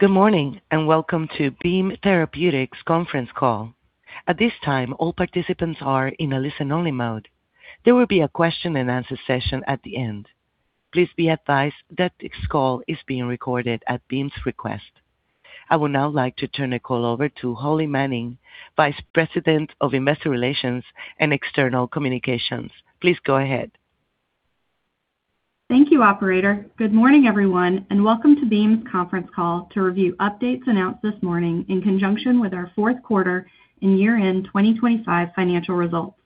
Good morning, and welcome to Beam Therapeutics conference call. At this time, all participants are in a listen-only mode. There will be a question and answer session at the end. Please be advised that this call is being recorded at Beam's request. I would now like to turn the call over to Holly Manning, Vice President of Investor Relations and External Communications. Please go ahead. Thank you, operator. Good morning, everyone, welcome to Beam's conference call to review updates announced this morning in conjunction with our fourth quarter and year-end 2025 financial results.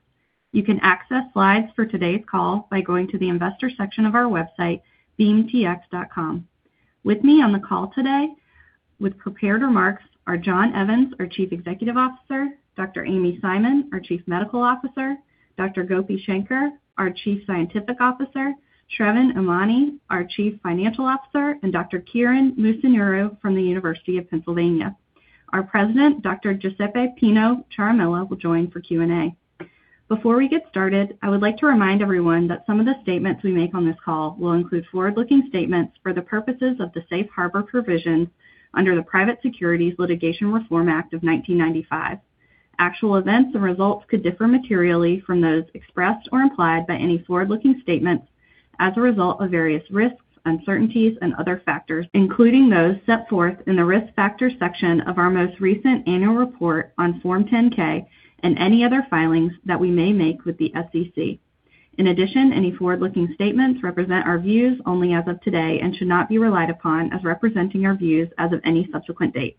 You can access slides for today's call by going to the investor section of our website, beamtx.com. With me on the call today with prepared remarks are John Evans, our Chief Executive Officer, Dr. Amy Simon, our Chief Medical Officer, Dr. Gopi Shanker, our Chief Scientific Officer, Sravan Emany, our Chief Financial Officer, and Dr. Kiran Musunuru from the University of Pennsylvania. Our President, Dr. Giuseppe Pino Ciaramella, will join for Q&A. Before we get started, I would like to remind everyone that some of the statements we make on this call will include forward-looking statements for the purposes of the Safe Harbor provisions under the Private Securities Litigation Reform Act of 1995. Actual events and results could differ materially from those expressed or implied by any forward-looking statements as a result of various risks, uncertainties, and other factors, including those set forth in the Risk Factors section of our most recent Annual Report on Form 10-K, and any other filings that we may make with the SEC. In addition, any forward-looking statements represent our views only as of today and should not be relied upon as representing our views as of any subsequent date.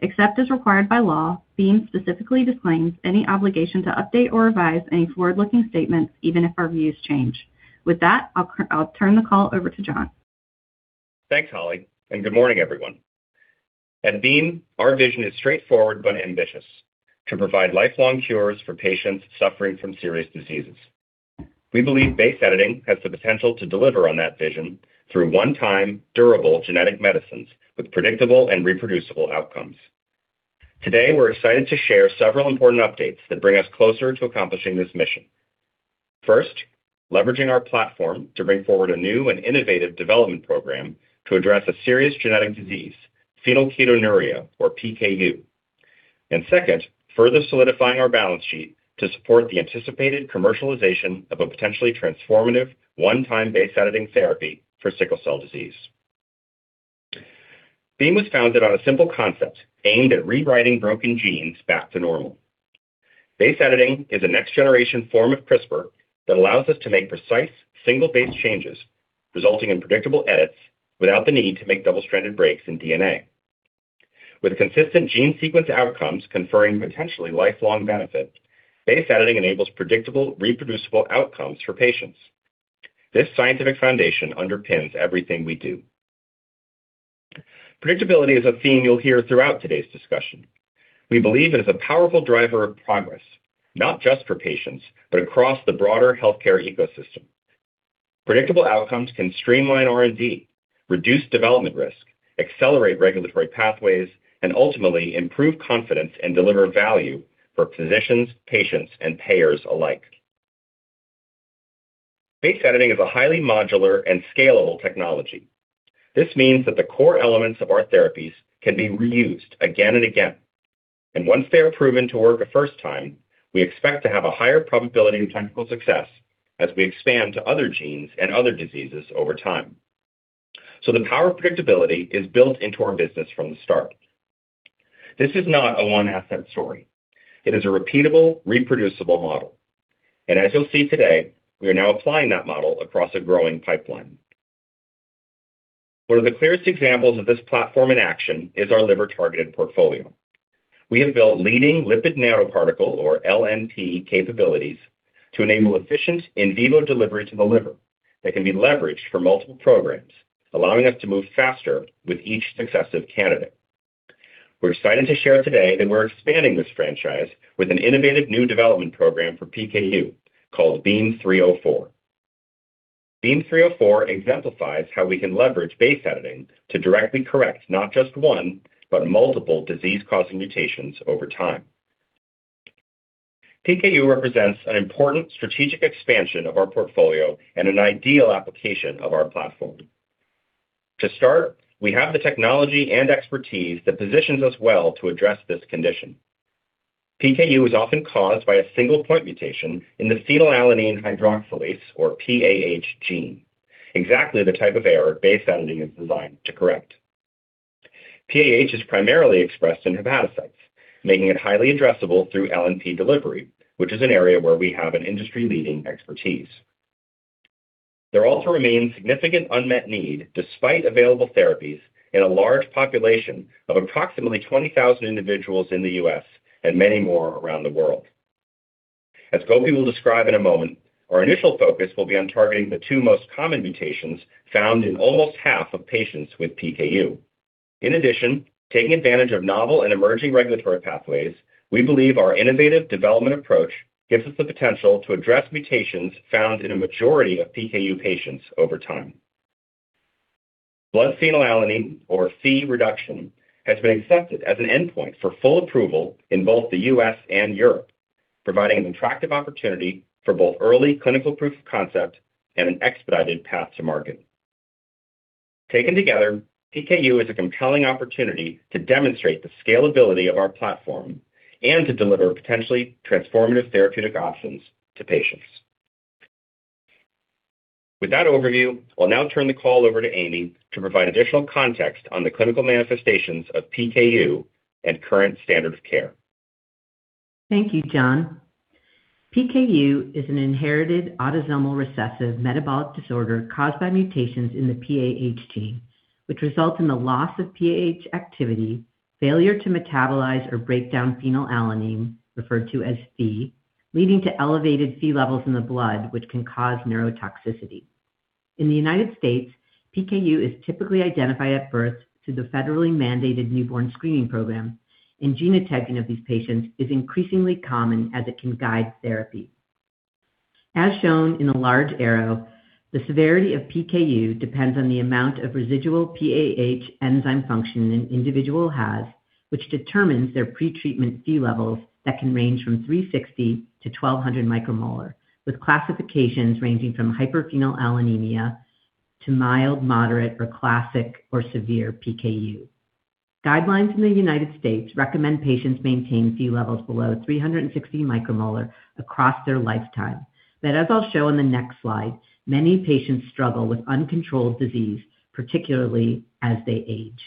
Except as required by law, Beam specifically disclaims any obligation to update or revise any forward-looking statements, even if our views change. With that, I'll turn the call over to John. Thanks, Holly. Good morning, everyone. At Beam, our vision is straightforward but ambitious: To provide lifelong cures for patients suffering from serious diseases. We believe base editing has the potential to deliver on that vision through one-time durable genetic medicines with predictable and reproducible outcomes. Today, we're excited to share several important updates that bring us closer to accomplishing this mission. First, leveraging our platform to bring forward a new and innovative development program to address a serious genetic disease, phenylketonuria or PKU. Second, further solidifying our balance sheet to support the anticipated commercialization of a potentially transformative one-time base editing therapy for sickle cell disease. Beam was founded on a simple concept aimed at rewriting broken genes back to normal. Base editing is a next-generation form of CRISPR that allows us to make precise single-base changes, resulting in predictable edits without the need to make double-stranded breaks in DNA. With consistent gene sequence outcomes conferring potentially lifelong benefit, base editing enables predictable, reproducible outcomes for patients. This scientific foundation underpins everything we do. Predictability is a theme you'll hear throughout today's discussion. We believe it is a powerful driver of progress, not just for patients, but across the broader healthcare ecosystem. Predictable outcomes can streamline R&D, reduce development risk, accelerate regulatory pathways, and ultimately improve confidence and deliver value for physicians, patients, and payers alike. Base editing is a highly modular and scalable technology. This means that the core elements of our therapies can be reused again and again, and once they are proven to work the first time, we expect to have a higher probability of technical success as we expand to other genes and other diseases over time. The power of predictability is built into our business from the start. This is not a one-asset story. It is a repeatable, reproducible model. As you'll see today, we are now applying that model across a growing pipeline. One of the clearest examples of this platform in action is our liver-targeted portfolio. We have built leading lipid nanoparticle, or LNP, capabilities to enable efficient in vivo delivery to the liver that can be leveraged for multiple programs, allowing us to move faster with each successive candidate. We're excited to share today that we're expanding this franchise with an innovative new development program for PKU called BEAM-304. BEAM-304 exemplifies how we can leverage base editing to directly correct not just one, but multiple disease-causing mutations over time. PKU represents an important strategic expansion of our portfolio and an ideal application of our platform. To start, we have the technology and expertise that positions us well to address this condition. PKU is often caused by a single point mutation in the phenylalanine hydroxylase, or PAH gene, exactly the type of error base editing is designed to correct. PAH is primarily expressed in hepatocytes, making it highly addressable through LNP delivery, which is an area where we have an industry-leading expertise. There also remains significant unmet need, despite available therapies in a large population of approximately 20,000 individuals in the U.S. and many more around the world. As Gopi will describe in a moment, our initial focus will be on targeting the two most common mutations found in almost half of patients with PKU. In addition, taking advantage of novel and emerging regulatory pathways, we believe our innovative development approach gives us the potential to address mutations found in a majority of PKU patients over time. Blood phenylalanine, or Phe reduction, has been accepted as an endpoint for full approval in both the U.S. and Europe. providing an attractive opportunity for both early clinical proof of concept and an expedited path to market. Taken together, PKU is a compelling opportunity to demonstrate the scalability of our platform and to deliver potentially transformative therapeutic options to patients. With that overview, I'll now turn the call over to Amy to provide additional context on the clinical manifestations of PKU and current standard of care. Thank you, John. PKU is an inherited autosomal recessive metabolic disorder caused by mutations in the PAH gene, which results in the loss of PAH activity, failure to metabolize or break down phenylalanine, referred to as Phe, leading to elevated Phe levels in the blood, which can cause neurotoxicity. In the United States, PKU is typically identified at birth through the federally mandated Newborn Screening Program. Genotyping of these patients is increasingly common as it can guide therapy. As shown in a large arrow, the severity of PKU depends on the amount of residual PAH enzyme function an individual has, which determines their pretreatment Phe levels that can range from 360 to 1,200 micromolar, with classifications ranging from hyperphenylalaninemia to mild, moderate, or classic, or severe PKU. Guidelines in the United States recommend patients maintain Phe levels below 360 micromolar across their lifetime. As I'll show in the next slide, many patients struggle with uncontrolled disease, particularly as they age.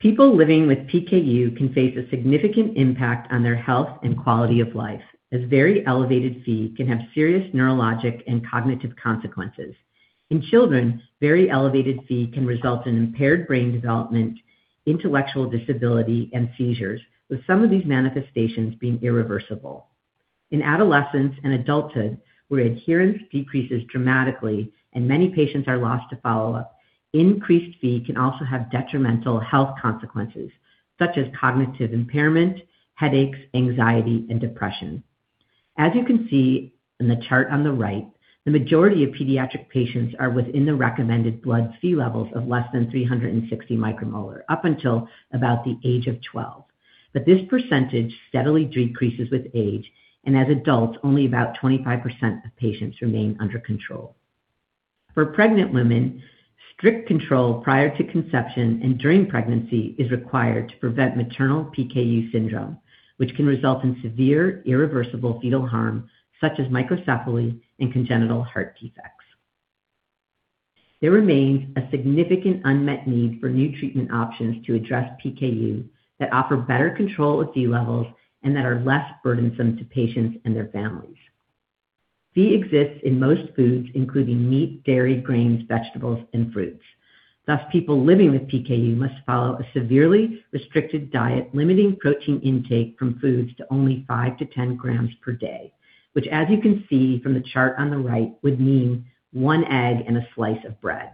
People living with PKU can face a significant impact on their health and quality of life, as very elevated Phe can have serious neurologic and cognitive consequences. In children, very elevated Phe can result in impaired brain development, intellectual disability, and seizures, with some of these manifestations being irreversible. In adolescence and adulthood, where adherence decreases dramatically and many patients are lost to follow-up, increased Phe can also have detrimental health consequences such as cognitive impairment, headaches, anxiety, and depression. As you can see in the chart on the right, the majority of pediatric patients are within the recommended blood Phe levels of less than 360 micromolar, up until about the age of 12. This percentage steadily decreases with age, and as adults, only about 25% of patients remain under control. For pregnant women, strict control prior to conception and during pregnancy is required to prevent maternal PKU syndrome, which can result in severe irreversible fetal harm, such as microcephaly and congenital heart defects. There remains a significant unmet need for new treatment options to address PKU that offer better control of Phe levels and that are less burdensome to patients and their families. Phe exists in most foods, including meat, dairy, grains, vegetables, and fruits. Thus, people living with PKU must follow a severely restricted diet, limiting protein intake from foods to only 5-10 grams per day, which, as you can see from the chart on the right, would mean one egg and a slice of bread.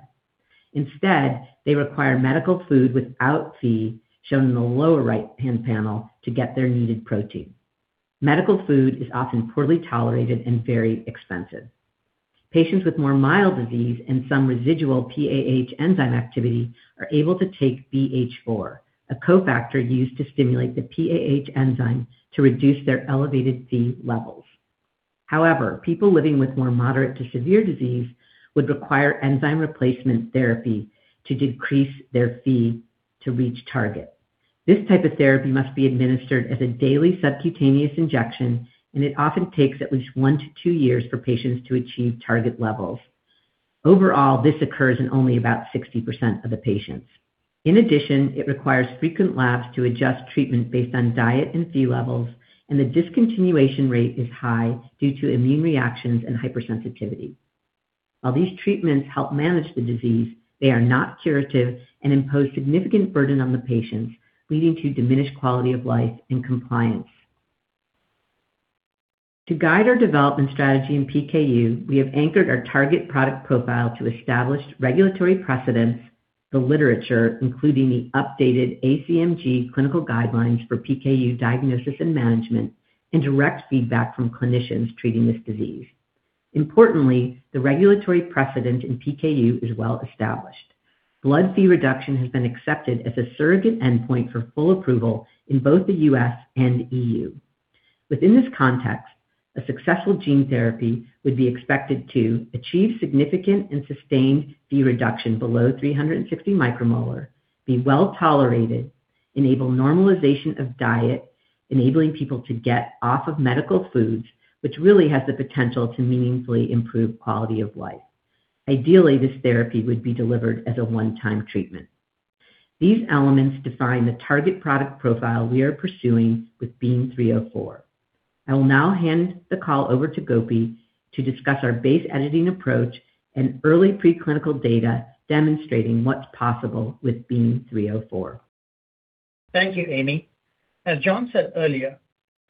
Instead, they require medical food without Phe, shown in the lower right-hand panel, to get their needed protein. Medical food is often poorly tolerated and very expensive. Patients with more mild disease and some residual PAH enzyme activity are able to take BH4, a cofactor used to stimulate the PAH enzyme to reduce their elevated Phe levels. People living with more moderate to severe disease would require enzyme replacement therapy to decrease their Phe to reach target. This type of therapy must be administered as a daily subcutaneous injection, and it often takes at least one to two years for patients to achieve target levels. Overall, this occurs in only about 60% of the patients. In addition, it requires frequent labs to adjust treatment based on diet and Phe levels, and the discontinuation rate is high due to immune reactions and hypersensitivity. While these treatments help manage the disease, they are not curative and impose significant burden on the patients, leading to diminished quality of life and compliance. To guide our development strategy in PKU, we have anchored our target product profile to established regulatory precedents, the literature, including the updated ACMG clinical guidelines for PKU diagnosis and management, and direct feedback from clinicians treating this disease. Importantly, the regulatory precedent in PKU is well established. Blood Phe reduction has been accepted as a surrogate endpoint for full approval in both the U.S. and EU. Within this context, a successful gene therapy would be expected to achieve significant and sustained Phe reduction below 360 micromolar, be well tolerated, enable normalization of diet, enabling people to get off of medical foods, which really has the potential to meaningfully improve quality of life. Ideally, this therapy would be delivered as a one-time treatment. These elements define the target product profile we are pursuing with BEAM-304. I will now hand the call over to Gopi to discuss our base editing approach and early preclinical data demonstrating what's possible with BEAM-304. Thank you, Amy. As John said earlier,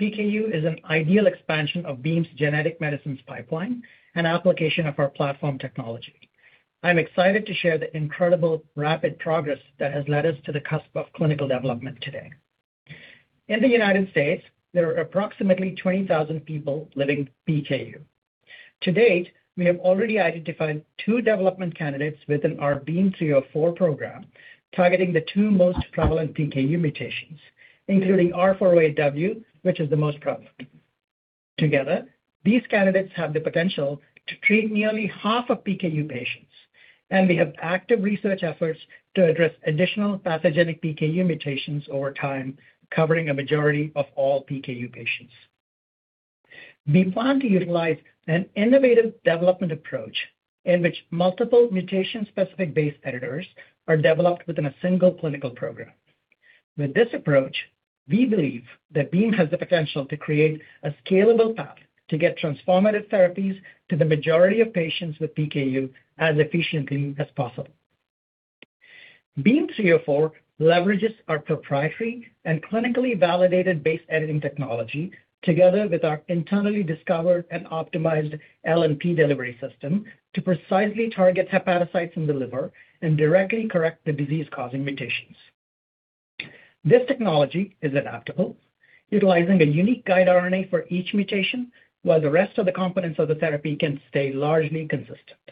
PKU is an ideal expansion of Beam's genetic medicines pipeline and application of our platform technology. I'm excited to share the incredible rapid progress that has led us to the cusp of clinical development today. In the United States, there are approximately 20,000 people living with PKU. To date, we have already identified two development candidates within our BEAM-304 program, targeting the two most prevalent PKU mutations, including R408W, which is the most prevalent. Together, these candidates have the potential to treat nearly half of PKU patients, and we have active research efforts to address additional pathogenic PKU mutations over time, covering a majority of all PKU patients. We plan to utilize an innovative development approach in which multiple mutation-specific base editors are developed within a single clinical program. With this approach, we believe that Beam has the potential to create a scalable path to get transformative therapies to the majority of patients with PKU as efficiently as possible. BEAM-304 leverages our proprietary and clinically validated base editing technology together with our internally discovered and optimized LNP delivery system, to precisely target hepatocytes in the liver and directly correct the disease-causing mutations. This technology is adaptable, utilizing a unique guide RNA for each mutation, while the rest of the components of the therapy can stay largely consistent.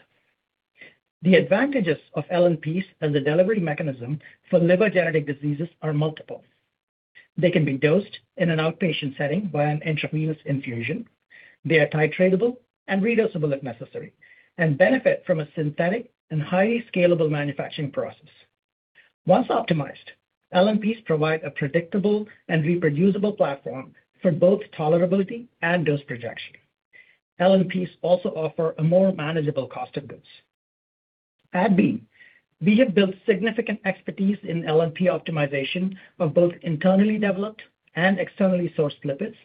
The advantages of LNPs as a delivery mechanism for liver genetic diseases are multiple. They can be dosed in an outpatient setting by an intravenous infusion. They are titratable and redosable if necessary, and benefit from a synthetic and highly scalable manufacturing process. Once optimized, LNPs provide a predictable and reproducible platform for both tolerability and dose projection. LNPs also offer a more manageable cost of goods. At Beam, we have built significant expertise in LNP optimization of both internally developed and externally sourced lipids,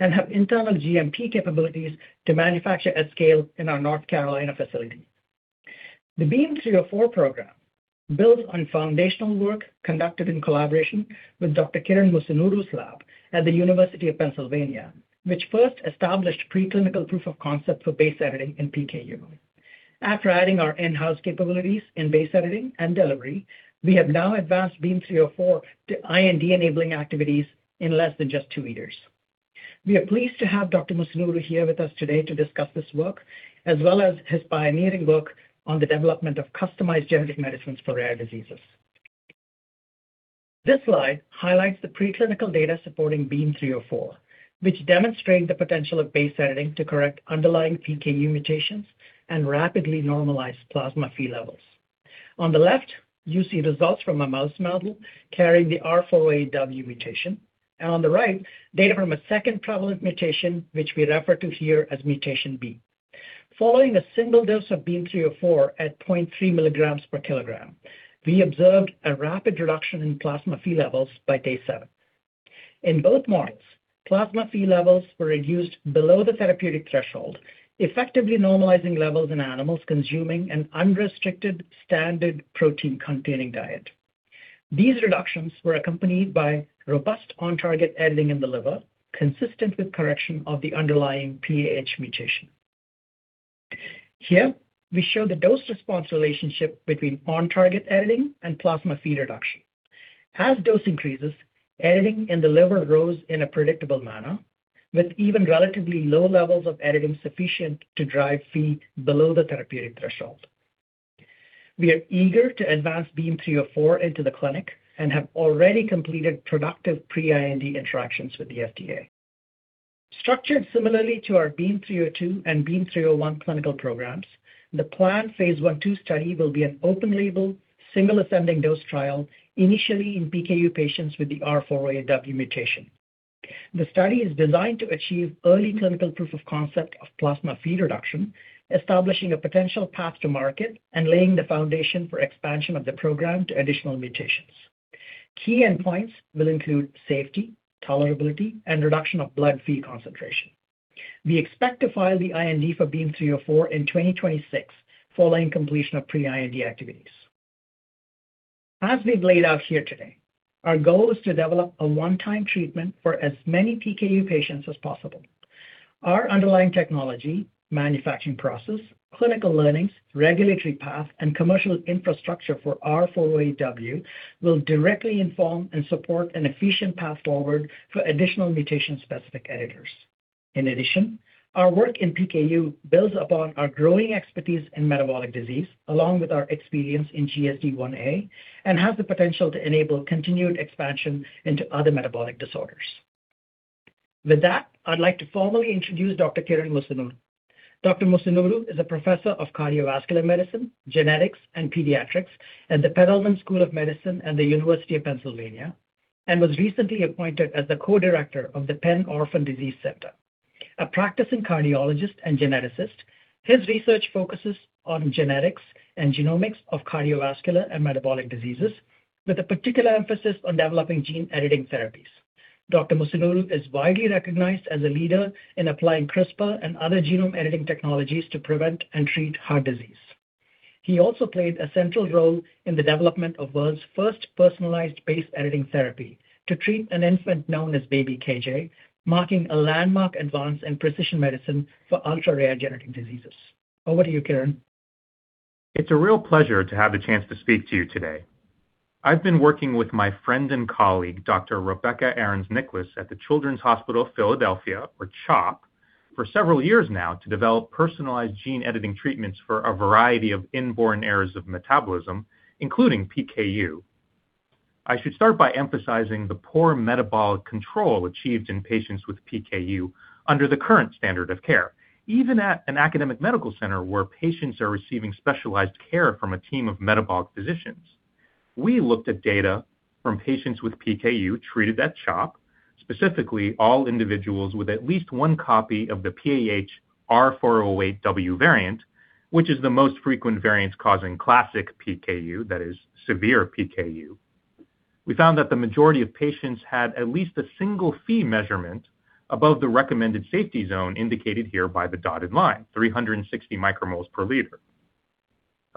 and have internal GMP capabilities to manufacture at scale in our North Carolina facility. The BEAM-304 program builds on foundational work conducted in collaboration with Dr. Kiran Musunuru's lab at the University of Pennsylvania, which first established preclinical proof of concept for base editing in PKU. After adding our in-house capabilities in base editing and delivery, we have now advanced BEAM-304 to IND-enabling activities in less than just 2 years. We are pleased to have Dr. Musunuru here with us today to discuss this work, as well as his pioneering work on the development of customized genetic medicines for rare diseases. This slide highlights the preclinical data supporting BEAM-304, which demonstrate the potential of base editing to correct underlying PKU mutations and rapidly normalize plasma Phe levels. On the left, you see results from a mouse model carrying the R408W mutation, and on the right, data from a second prevalent mutation, which we refer to here as mutation B. Following a single dose of BEAM-304 at 0.3 mg/kg, we observed a rapid reduction in plasma Phe levels by day seven. In both models, plasma Phe levels were reduced below the therapeutic threshold, effectively normalizing levels in animals consuming an unrestricted, standard protein-containing diet. These reductions were accompanied by robust on-target editing in the liver, consistent with correction of the underlying PAH mutation. Here, we show the dose-response relationship between on-target editing and plasma Phe reduction. As dose increases, editing in the liver grows in a predictable manner, with even relatively low levels of editing sufficient to drive Phe below the therapeutic threshold. We are eager to advance BEAM-304 into the clinic and have already completed productive pre-IND interactions with the FDA. Structured similarly to our BEAM-302 and BEAM-301 clinical programs, the planned phase I/II study will be an open-label, single-ascending dose trial, initially in PKU patients with the R408W mutation. The study is designed to achieve early clinical proof of concept of plasma Phe reduction, establishing a potential path to market and laying the foundation for expansion of the program to additional mutations. Key endpoints will include safety, tolerability, and reduction of blood Phe concentration. We expect to file the IND for BEAM-304 in 2026, following completion of pre-IND activities. As we've laid out here today, our goal is to develop a one-time treatment for as many PKU patients as possible. Our underlying technology, manufacturing process, clinical learnings, regulatory path, and commercial infrastructure for R408W will directly inform and support an efficient path forward for additional mutation-specific editors. Our work in PKU builds upon our growing expertise in metabolic disease, along with our experience in GSDIa, and has the potential to enable continued expansion into other metabolic disorders. I'd like to formally introduce Dr. Kiran Musunuru. Dr. Musunuru is a professor of cardiovascular medicine, genetics, and pediatrics at the Perelman School of Medicine and the University of Pennsylvania, and was recently appointed as the co-director of the Penn Orphan Disease Center. A practicing cardiologist and geneticist, his research focuses on genetics and genomics of cardiovascular and metabolic diseases, with a particular emphasis on developing gene-editing therapies. Dr. Musunuru is widely recognized as a leader in applying CRISPR and other genome-editing technologies to prevent and treat heart disease. He also played a central role in the development of world's first personalized base-editing therapy to treat an infant known as Baby KJ, marking a landmark advance in precision medicine for ultra-rare genetic diseases. Over to you, Kiran. It's a real pleasure to have the chance to speak to you today. I've been working with my friend and colleague, Dr. Rebecca Ahrens-Nicklas, at The Children's Hospital of Philadelphia, or CHOP, for several years now to develop personalized gene editing treatments for a variety of inborn errors of metabolism, including PKU. I should start by emphasizing the poor metabolic control achieved in patients with PKU under the current standard of care, even at an academic medical center where patients are receiving specialized care from a team of metabolic physicians. We looked at data from patients with PKU treated at CHOP, specifically all individuals with at least one copy of the PAH R408W variant, which is the most frequent variant causing classic PKU, that is severe PKU. We found that the majority of patients had at least a single Phe measurement above the recommended safety zone, indicated here by the dotted line, 360 micromoles per liter.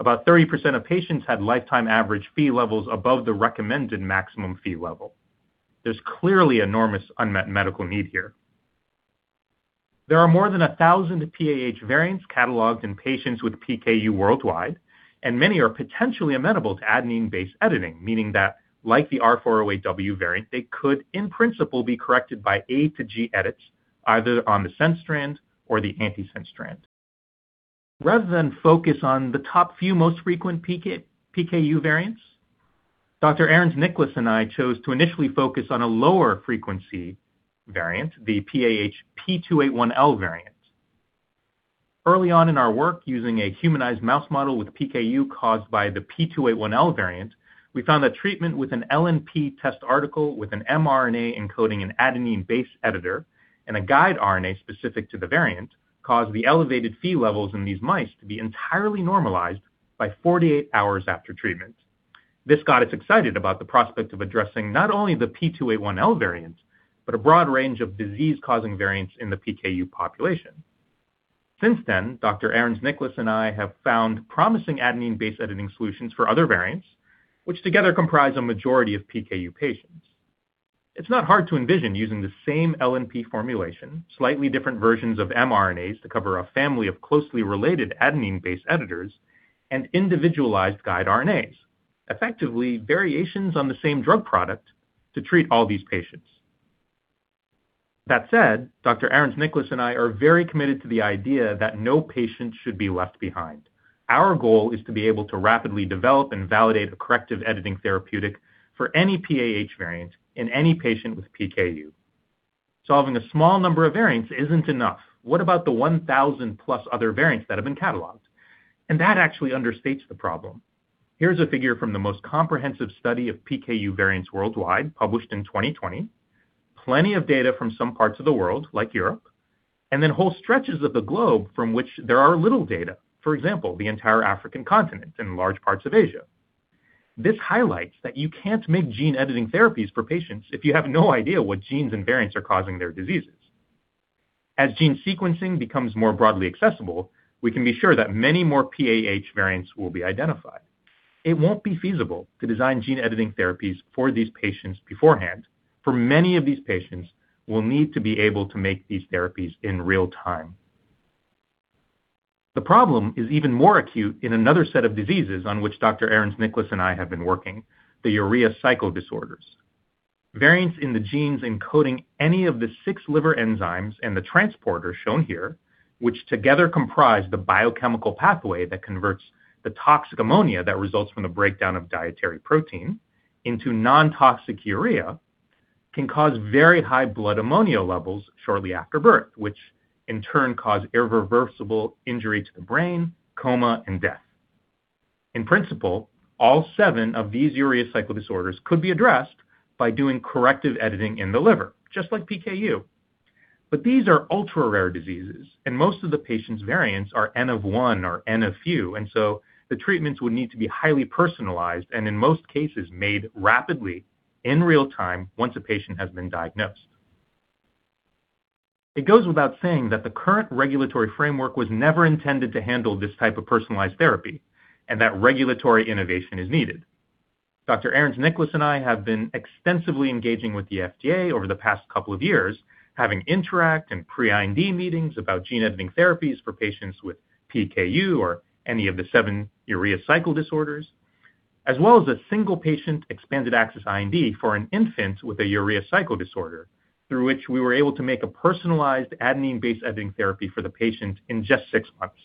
About 30% of patients had lifetime average Phe levels above the recommended maximum Phe level. There's clearly enormous unmet medical need here. There are more than 1,000 PAH variants cataloged in patients with PKU worldwide, and many are potentially amenable to adenine base editing, meaning that, like the R408W variant, they could, in principle, be corrected by A to G edits, either on the sense strand or the antisense strand. Rather than focus on the top few most frequent PKU variants, Dr. Ahrens-Nicklas and I chose to initially focus on a lower frequency variant, the PAH P281L variant. Early on in our work, using a humanized mouse model with PKU caused by the P281L variant, we found that treatment with an LNP test article with an mRNA encoding an adenine base editor and a guide RNA specific to the variant, caused the elevated Phe levels in these mice to be entirely normalized by 48 hours after treatment. This got us excited about the prospect of addressing not only the P281L variant, but a broad range of disease-causing variants in the PKU population. Since then, Dr. Ahrens-Nicklas and I have found promising adenine base editing solutions for other variants, which together comprise a majority of PKU patients. It's not hard to envision using the same LNP formulation, slightly different versions of mRNAs to cover a family of closely related adenine-based editors, and individualized guide RNAs, effectively variations on the same drug product to treat all these patients. That said, Dr. Ahrens-Nicklas and I are very committed to the idea that no patient should be left behind. Our goal is to be able to rapidly develop and validate a corrective editing therapeutic for any PAH variant in any patient with PKU. Solving a small number of variants isn't enough. What about the 1,000+ other variants that have been cataloged? That actually understates the problem. Here's a figure from the most comprehensive study of PKU variants worldwide, published in 2020. Plenty of data from some parts of the world, like Europe, and then whole stretches of the globe from which there are little data, for example, the entire African continent and large parts of Asia. This highlights that you can't make gene editing therapies for patients if you have no idea what genes and variants are causing their diseases. As gene sequencing becomes more broadly accessible, we can be sure that many more PAH variants will be identified. It won't be feasible to design gene editing therapies for these patients beforehand. For many of these patients, we'll need to be able to make these therapies in real time. The problem is even more acute in another set of diseases on which Dr. Ahrens-Nicklas and I have been working, the urea cycle disorders. Variants in the genes encoding any of the six liver enzymes and the transporters shown here, which together comprise the biochemical pathway that converts the toxic ammonia that results from the breakdown of dietary protein into non-toxic urea, can cause very high blood ammonia levels shortly after birth, which in turn cause irreversible injury to the brain, coma, and death. In principle, all seven of these urea cycle disorders could be addressed by doing corrective editing in the liver, just like PKU. These are ultra-rare diseases. Most of the patients' variants are N of 1 or N of few. The treatments would need to be highly personalized and in most cases, made rapidly in real time once a patient has been diagnosed. It goes without saying that the current regulatory framework was never intended to handle this type of personalized therapy and that regulatory innovation is needed. Dr. Ahrens-Nicklas and I have been extensively engaging with the FDA over the past couple of years, having interact and pre-IND meetings about gene editing therapies for patients with PKU or any of the seven urea cycle disorders, as well as a single-patient expanded access IND for an infant with a urea cycle disorder, through which we were able to make a personalized adenine-based editing therapy for the patient in just 6 months.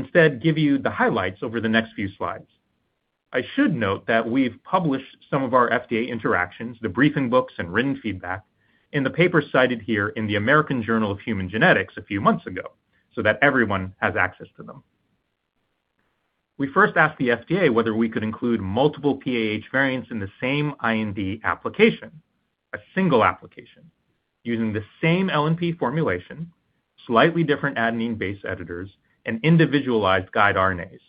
Instead give you the highlights over the next few slides. I should note that we've published some of our FDA interactions, the briefing books, and written feedback in the paper cited here in The American Journal of Human Genetics a few months ago, that everyone has access to them. We first asked the FDA whether we could include multiple PAH variants in the same IND application, a single application, using the same LNP formulation, slightly different adenine base editors, and individualized guide RNAs.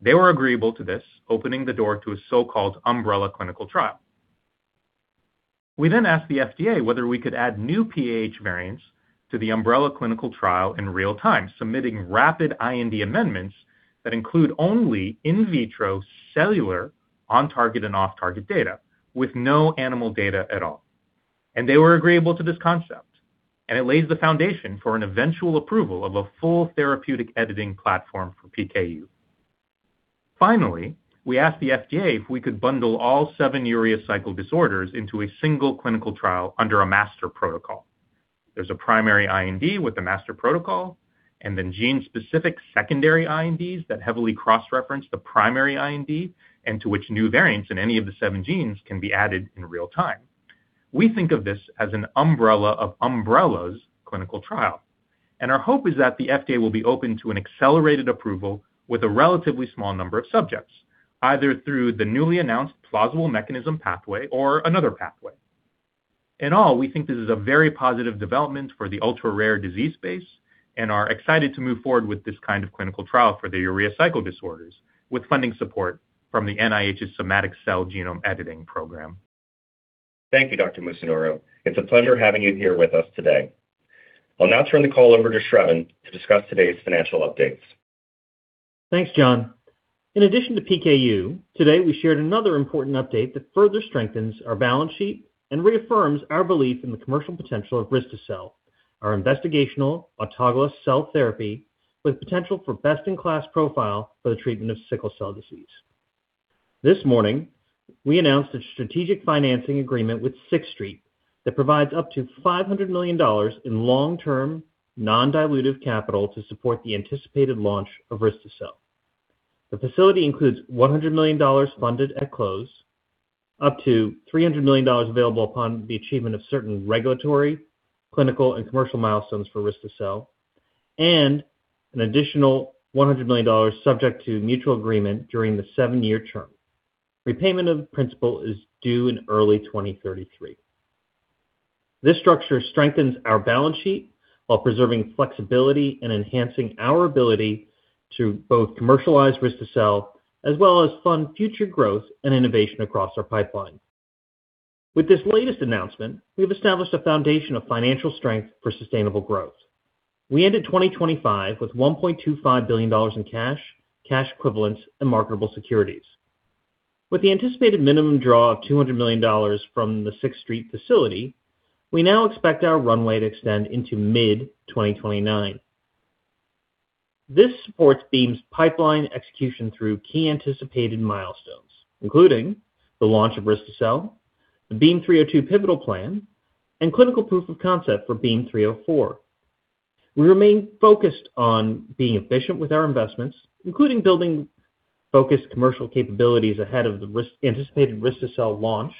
They were agreeable to this, opening the door to a so-called umbrella clinical trial. We asked the FDA whether we could add new PAH variants to the umbrella clinical trial in real time, submitting rapid IND amendments that include only in vitro cellular on-target and off-target data, with no animal data at all. They were agreeable to this concept, and it lays the foundation for an eventual approval of a full therapeutic editing platform for PKU. Finally, we asked the FDA if we could bundle all seven urea cycle disorders into a single clinical trial under a master protocol. There's a primary IND with a master protocol, and then gene-specific secondary INDs that heavily cross-reference the primary IND, and to which new variants in any of the seven genes can be added in real time. We think of this as an umbrella of umbrellas clinical trial. Our hope is that the FDA will be open to an accelerated approval with a relatively small number of subjects, either through the newly announced plausible mechanism pathway or another pathway. In all, we think this is a very positive development for the ultra-rare disease space and are excited to move forward with this kind of clinical trial for the urea cycle disorders, with funding support from the NIH's Somatic Cell Genome Editing Program. Thank you, Dr. Musinoro. It's a pleasure having you here with us today. I'll now turn the call over to Sravan to discuss today's financial updates. Thanks, John. In addition to PKU, today, we shared another important update that further strengthens our balance sheet and reaffirms our belief in the commercial potential of risto-cel, our investigational autologous cell therapy, with potential for best-in-class profile for the treatment of sickle cell disease. This morning, we announced a strategic financing agreement with Sixth Street that provides up to $500 million in long-term, non-dilutive capital to support the anticipated launch of risto-cel. The facility includes $100 million funded at close, up to $300 million available upon the achievement of certain regulatory, clinical, and commercial milestones for risto-cel, and an additional $100 million subject to mutual agreement during the 7-year term. Repayment of principal is due in early 2033. This structure strengthens our balance sheet while preserving flexibility and enhancing our ability to both commercialize risto-cel as well as fund future growth and innovation across our pipeline. With this latest announcement, we have established a foundation of financial strength for sustainable growth. We ended 2025 with $1.25 billion in cash equivalents, and marketable securities. With the anticipated minimum draw of $200 million from the Sixth Street facility, we now expect our runway to extend into mid-2029. This supports Beam's pipeline execution through key anticipated milestones, including the launch of risto-cel, the BEAM-302 pivotal plan, and clinical proof of concept for BEAM-304. We remain focused on being efficient with our investments, including building focused commercial capabilities ahead of the anticipated risto-cel launch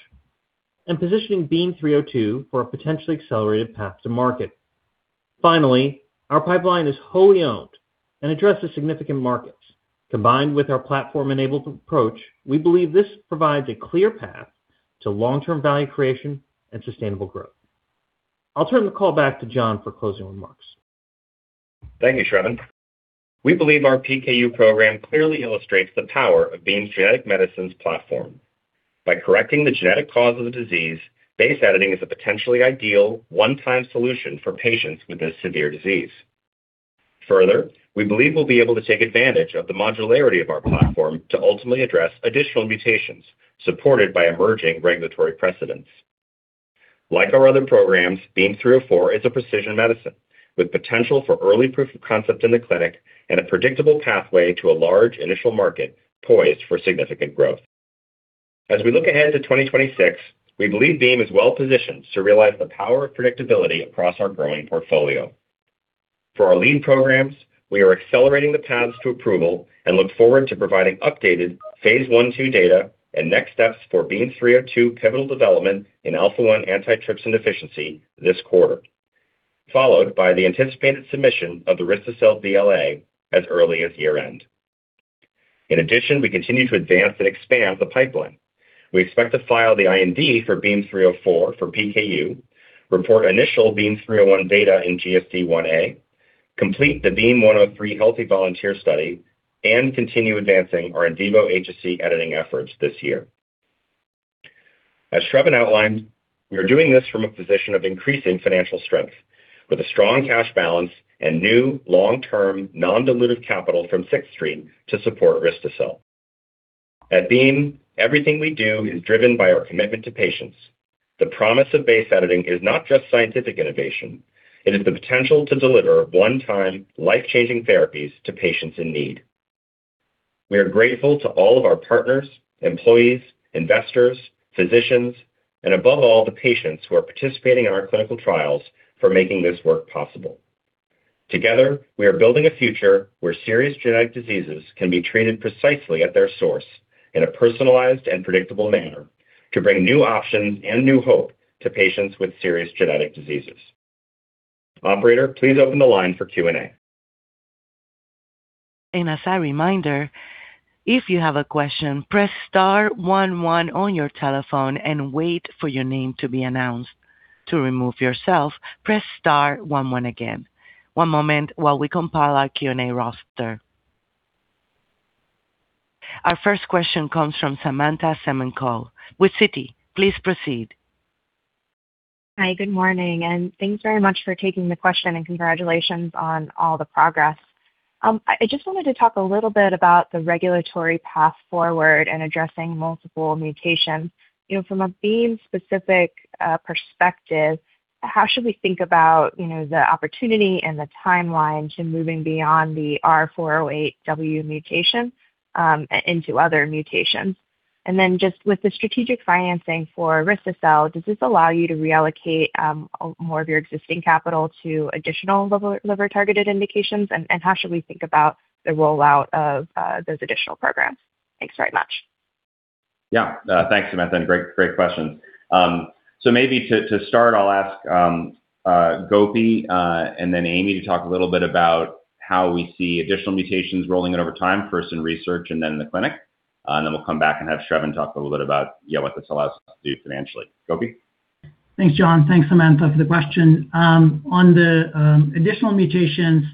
and positioning BEAM-302 for a potentially accelerated path to market. Our pipeline is wholly owned and addresses significant markets. Combined with our platform-enabled approach, we believe this provides a clear path to long-term value creation and sustainable growth. I'll turn the call back to John for closing remarks. Thank you, Sravan. We believe our PKU program clearly illustrates the power of Beam's genetic medicines platform. By correcting the genetic cause of the disease, base editing is a potentially ideal one-time solution for patients with this severe disease. Further, we believe we'll be able to take advantage of the modularity of our platform to ultimately address additional mutations supported by emerging regulatory precedents. Like our other programs, BEAM-304 is a precision medicine with potential for early proof of concept in the clinic and a predictable pathway to a large initial market poised for significant growth. As we look ahead to 2026, we believe Beam is well positioned to realize the power of predictability across our growing portfolio. For our lead programs, we are accelerating the paths to approval and look forward to providing updated phase I/II data and next steps for BEAM-302 pivotal development in alpha-1 antitrypsin deficiency this quarter, followed by the anticipated submission of the risto-cel BLA as early as year-end. We continue to advance and expand the pipeline. We expect to file the IND for BEAM-304 for PKU, report initial BEAM-301 data in GSD Ia, complete the BEAM-103 healthy volunteer study, and continue advancing our in vivo HSC editing efforts this year. As Sravan outlined, we are doing this from a position of increasing financial strength, with a strong cash balance and new long-term, non-dilutive capital from Sixth Street to support risto-cel. At Beam, everything we do is driven by our commitment to patients. The promise of base editing is not just scientific innovation, it is the potential to deliver one-time, life-changing therapies to patients in need. We are grateful to all of our partners, employees, investors, physicians, and above all, the patients who are participating in our clinical trials for making this work possible. Together, we are building a future where serious genetic diseases can be treated precisely at their source in a personalized and predictable manner, to bring new options and new hope to patients with serious genetic diseases. Operator, please open the line for Q&A. As a reminder, if you have a question, press star one one on your telephone and wait for your name to be announced. To remove yourself, press star one one again. One moment while we compile our Q&A roster. Our first question comes from Samantha Semenkow with Citi. Please proceed. Hi, good morning, and thanks very much for taking the question, and congratulations on all the progress. I just wanted to talk a little bit about the regulatory path forward and addressing multiple mutations. You know, from a Beam-specific perspective, how should we think about, you know, the opportunity and the timeline to moving beyond the R408W mutation into other mutations? Just with the strategic financing for risto-cel, does this allow you to reallocate more of your existing capital to additional liver-targeted indications? How should we think about the rollout of those additional programs? Thanks very much. Yeah. Thanks, Samantha. Great question. Maybe to start, I'll ask Gopi, and then Amy to talk a little bit about how we see additional mutations rolling out over time, first in research and then in the clinic. We'll come back and have Sravan talk a little bit about, yeah, what this allows us to do financially. Gopi? Thanks, John. Thanks, Samantha, for the question. On the additional mutations,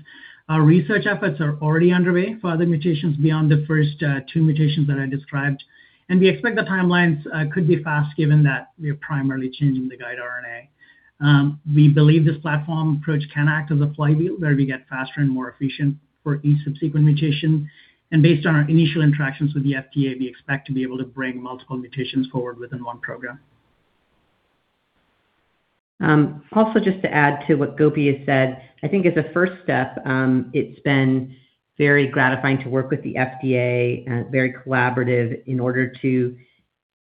our research efforts are already underway for other mutations beyond the first two mutations that I described. We expect the timelines could be fast, given that we are primarily changing the guide RNA. We believe this platform approach can act as a flywheel, where we get faster and more efficient for each subsequent mutation. Based on our initial interactions with the FDA, we expect to be able to bring multiple mutations forward within one program. Also just to add to what Gopi has said, I think as a first step, it's been very gratifying to work with the FDA, very collaborative in order to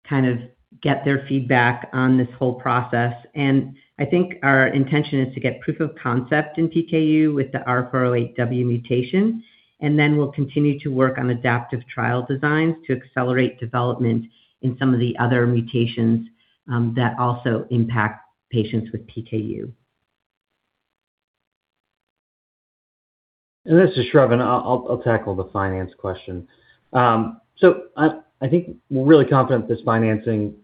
kind of get their feedback on this whole process. I think our intention is to get proof of concept in PKU with the R408W mutation, and then we'll continue to work on adaptive trial designs to accelerate development in some of the other mutations, that also impact patients with PKU. This is Sravan. I'll tackle the finance question. I think we're really confident this financing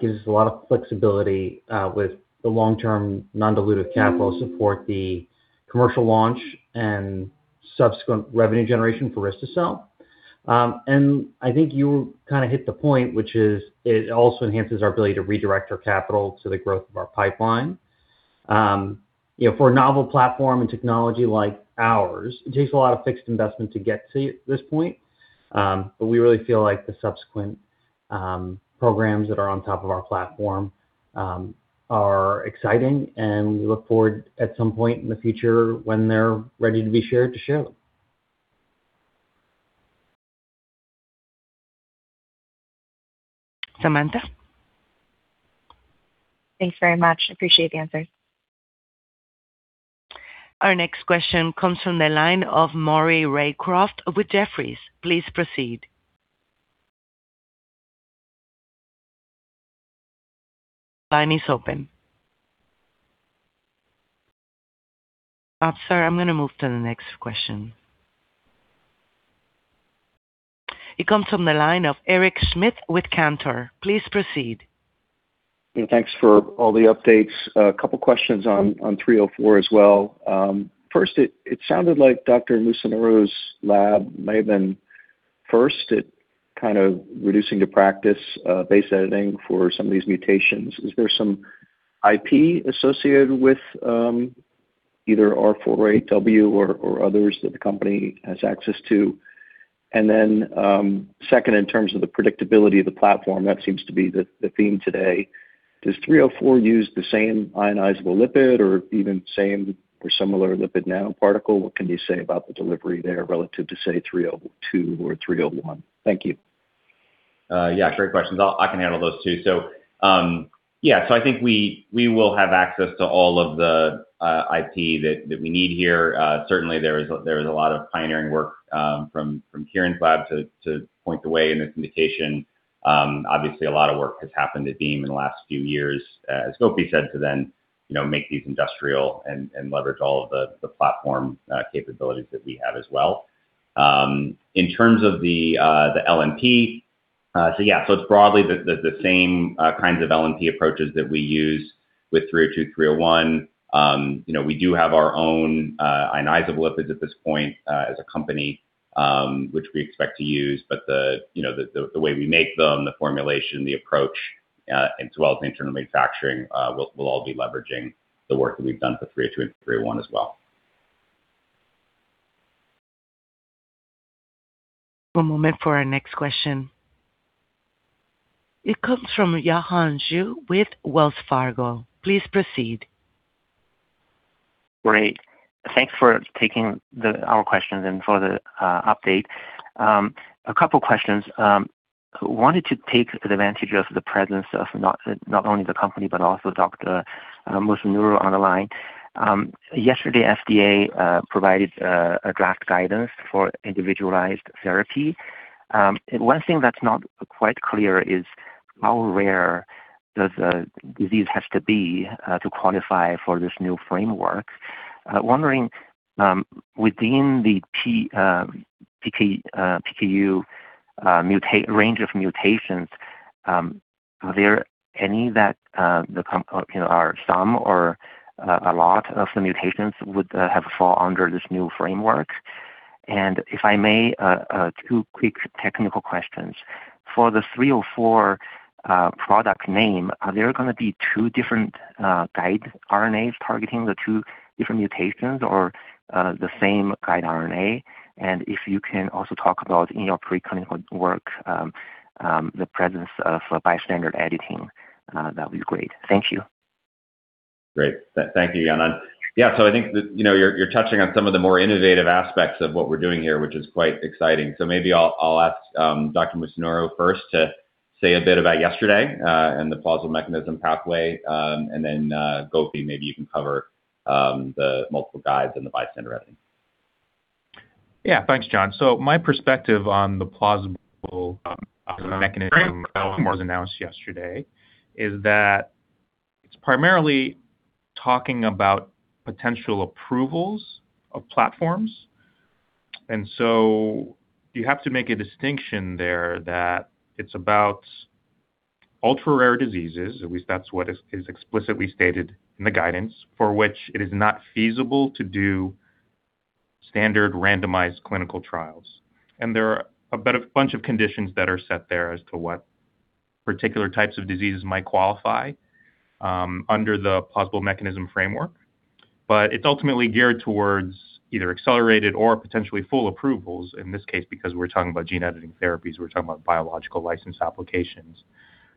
gives us a lot of flexibility with the long-term, non-dilutive capital support, the commercial launch and subsequent revenue generation for risto-cel. I think you kind of hit the point, which is it also enhances our ability to redirect our capital to the growth of our pipeline. You know, for a novel platform and technology like ours, it takes a lot of fixed investment to get to this point. We really feel like the subsequent programs that are on top of our platform are exciting, and we look forward at some point in the future when they're ready to be shared, to share them. Samantha? Thanks very much. Appreciate the answers. Our next question comes from the line of Maury Raycroft with Jefferies. Please proceed. Line is open. Sir, I'm gonna move to the next question. It comes from the line of Eric Schmidt with Cantor. Please proceed. Thanks for all the updates. A couple questions on 304 as well. First, it sounded like Dr. Musunuru's lab may have been first at kind of reducing the practice, base editing for some of these mutations. Is there some IP associated with either R408W or others that the company has access to? Second, in terms of the predictability of the platform, that seems to be the theme today. Does 304 use the same ionizable lipid or even same or similar lipid nanoparticle? What can you say about the delivery there relative to, say, 302 or 301? Thank you. Great questions. I can handle those, too. I think we will have access to all of the IP that we need here. Certainly, there is a lot of pioneering work from Kiran's lab to point the way in this mutation. Obviously, a lot of work has happened at Beam in the last few years, as Gopi said, to then, you know, make these industrial and leverage all of the platform capabilities that we have as well. In terms of the LNP, it's broadly the same kinds of LNP approaches that we use with 302, 301. You know, we do have our own, ionizable lipids at this point, as a company, which we expect to use. The, you know, the way we make them, the formulation, the approach, as well as the internal manufacturing, will all be leveraging the work that we've done for 302 and 301 as well. One moment for our next question. It comes from Yilun Xu with Wells Fargo. Please proceed. Great. Thanks for taking our questions and for the update. A couple questions. Wanted to take advantage of the presence of not only the company, but also Dr. Musunuru on the line. Yesterday, FDA provided a draft guidance for individualized therapy. One thing that's not quite clear is how rare does the disease have to be to qualify for this new framework? Wondering, within the PKU range of mutations, are there any that, you know, are some or a lot of the mutations would have fall under this new framework? If I may, 2 quick technical questions. For the three or four, product name, are there gonna be two different, guide RNAs targeting the two different mutations or, the same guide RNA? If you can also talk about in your preclinical work, the presence of bystander editing, that would be great. Thank you. Great. Thank you, Yannan. I think that, you know, you're touching on some of the more innovative aspects of what we're doing here, which is quite exciting. Maybe I'll ask Dr. Musunuru first to say a bit about yesterday and the Plausible Mechanism Pathway, and then Gopi, maybe you can cover the multiple guides and the bystander editing. Yeah, thanks, John. My perspective on the Plausible Mechanism that was announced yesterday is that it's primarily talking about potential approvals of platforms. You have to make a distinction there that it's about ultra-rare diseases, at least that's what is explicitly stated in the guidance, for which it is not feasible to do standard randomized clinical trials. There are a bunch of conditions that are set there as to what particular types of diseases might qualify under the Plausible Mechanism framework. It's ultimately geared towards either accelerated or potentially full approvals. In this case, because we're talking about gene editing therapies, we're talking about Biologics License Applications.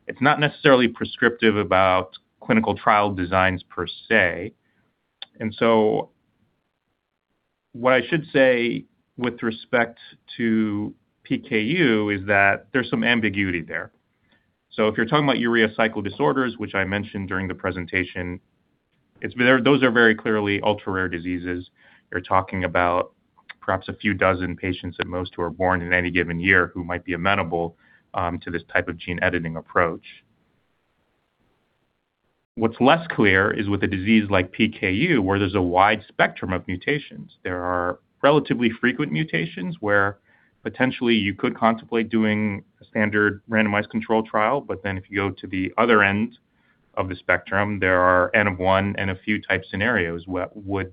It's not necessarily prescriptive about clinical trial designs per se. What I should say with respect to PKU is that there's some ambiguity there. If you're talking about urea cycle disorders, which I mentioned during the presentation, those are very clearly ultra-rare diseases. You're talking about perhaps a few dozen patients at most, who are born in any given year, who might be amenable to this type of gene editing approach. What's less clear is with a disease like PKU, where there's a wide spectrum of mutations, there are relatively frequent mutations where potentially you could contemplate doing a standard randomized controlled trial, but then if you go to the other end of the spectrum, there are N of one and a few type scenarios would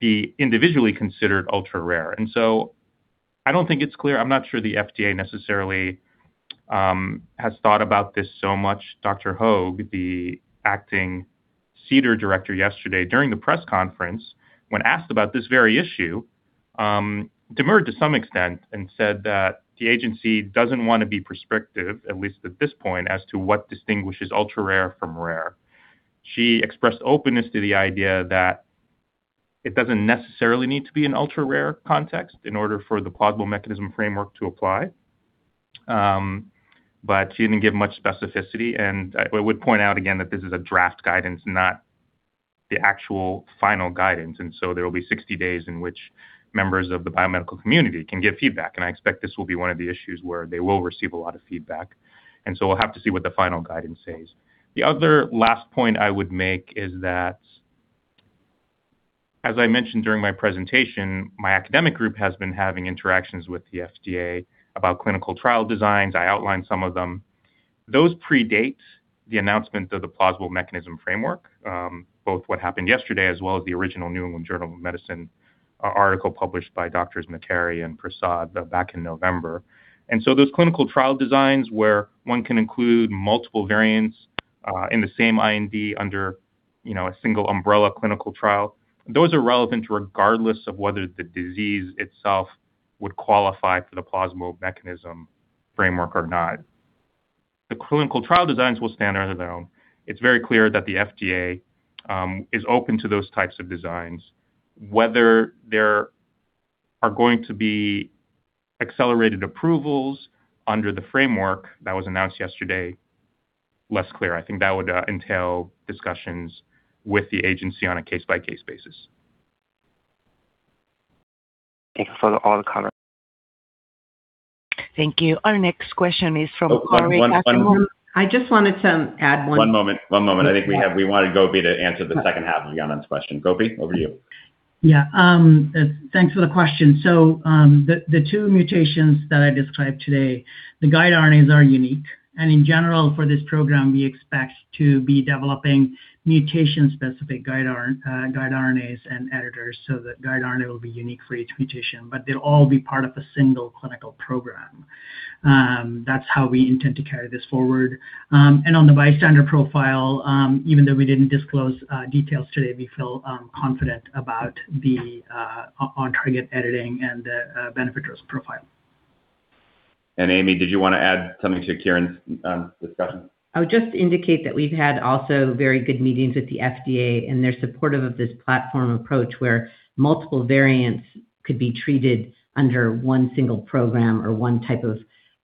be individually considered ultra-rare. I don't think it's clear. I'm not sure the FDA necessarily has thought about this so much. Dr. Høeg, the acting CDER Director, yesterday, during the press conference, when asked about this very issue, demurred to some extent and said that the agency doesn't want to be prescriptive, at least at this point, as to what distinguishes ultra-rare from rare. She expressed openness to the idea that it doesn't necessarily need to be an ultra-rare context in order for the Plausible Mechanism framework to apply, but she didn't give much specificity. I would point out again that this is a draft guidance, not the actual final guidance. There will be 60 days in which members of the biomedical community can give feedback. I expect this will be one of the issues where they will receive a lot of feedback. We'll have to see what the final guidance says. The other last point I would make is that, as I mentioned during my presentation, my academic group has been having interactions with the FDA about clinical trial designs. I outlined some of them. Those predate the announcement of the plausible mechanism framework, both what happened yesterday as well as the original The New England Journal of Medicine article published by Doctors McCary and Prasad back in November. So those clinical trial designs, where one can include multiple variants, in the same IND under, you know, a single umbrella clinical trial, those are relevant regardless of whether the disease itself would qualify for the plausible mechanism framework or not. The clinical trial designs will stand on their own. It's very clear that the FDA is open to those types of designs. Whether there are going to be accelerated approvals under the framework that was announced yesterday, less clear. I think that would entail discussions with the agency on a case-by-case basis. Thank you for all the comments. Thank you. Our next question is from Cory- One- I just wanted to add one- One moment. I think we wanted Gopi to answer the second half of Yannan's question. Gopi, over to you. Yeah, thanks for the question. The two mutations that I described today, the guide RNAs are unique, and in general, for this program, we expect to be developing mutation-specific guide RNAs and editors, so the guide RNA will be unique for each mutation, but they'll all be part of a single clinical program. That's how we intend to carry this forward. On the bystander profile, even though we didn't disclose details today, we feel confident about the on target editing and the benefit-risk profile. Amy, did you want to add something to Kiran's discussion? I would just indicate that we've had also very good meetings with the FDA, and they're supportive of this platform approach, where multiple variants could be treated under one single program or one type of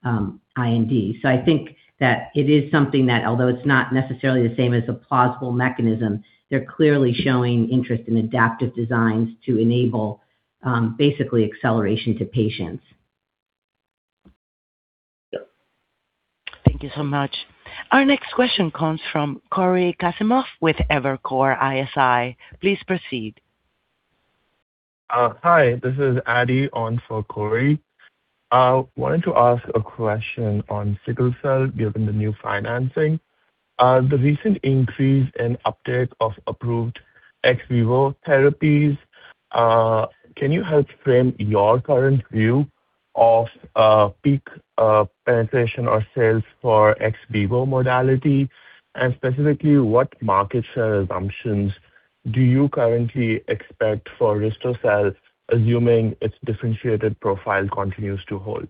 IND. I think that it is something that, although it's not necessarily the same as a plausible mechanism, they're clearly showing interest in adaptive designs to enable basically acceleration to patients. Thank you so much. Our next question comes from Cory Kasimov with Evercore ISI. Please proceed. Hi, this is Adi on for Cory. I wanted to ask a question on sickle cell, given the new financing. The recent increase in uptake of approved ex vivo therapies, can you help frame your current view of peak penetration or sales for ex vivo modality? Specifically, what market share assumptions do you currently expect for risto-cel, assuming its differentiated profile continues to hold?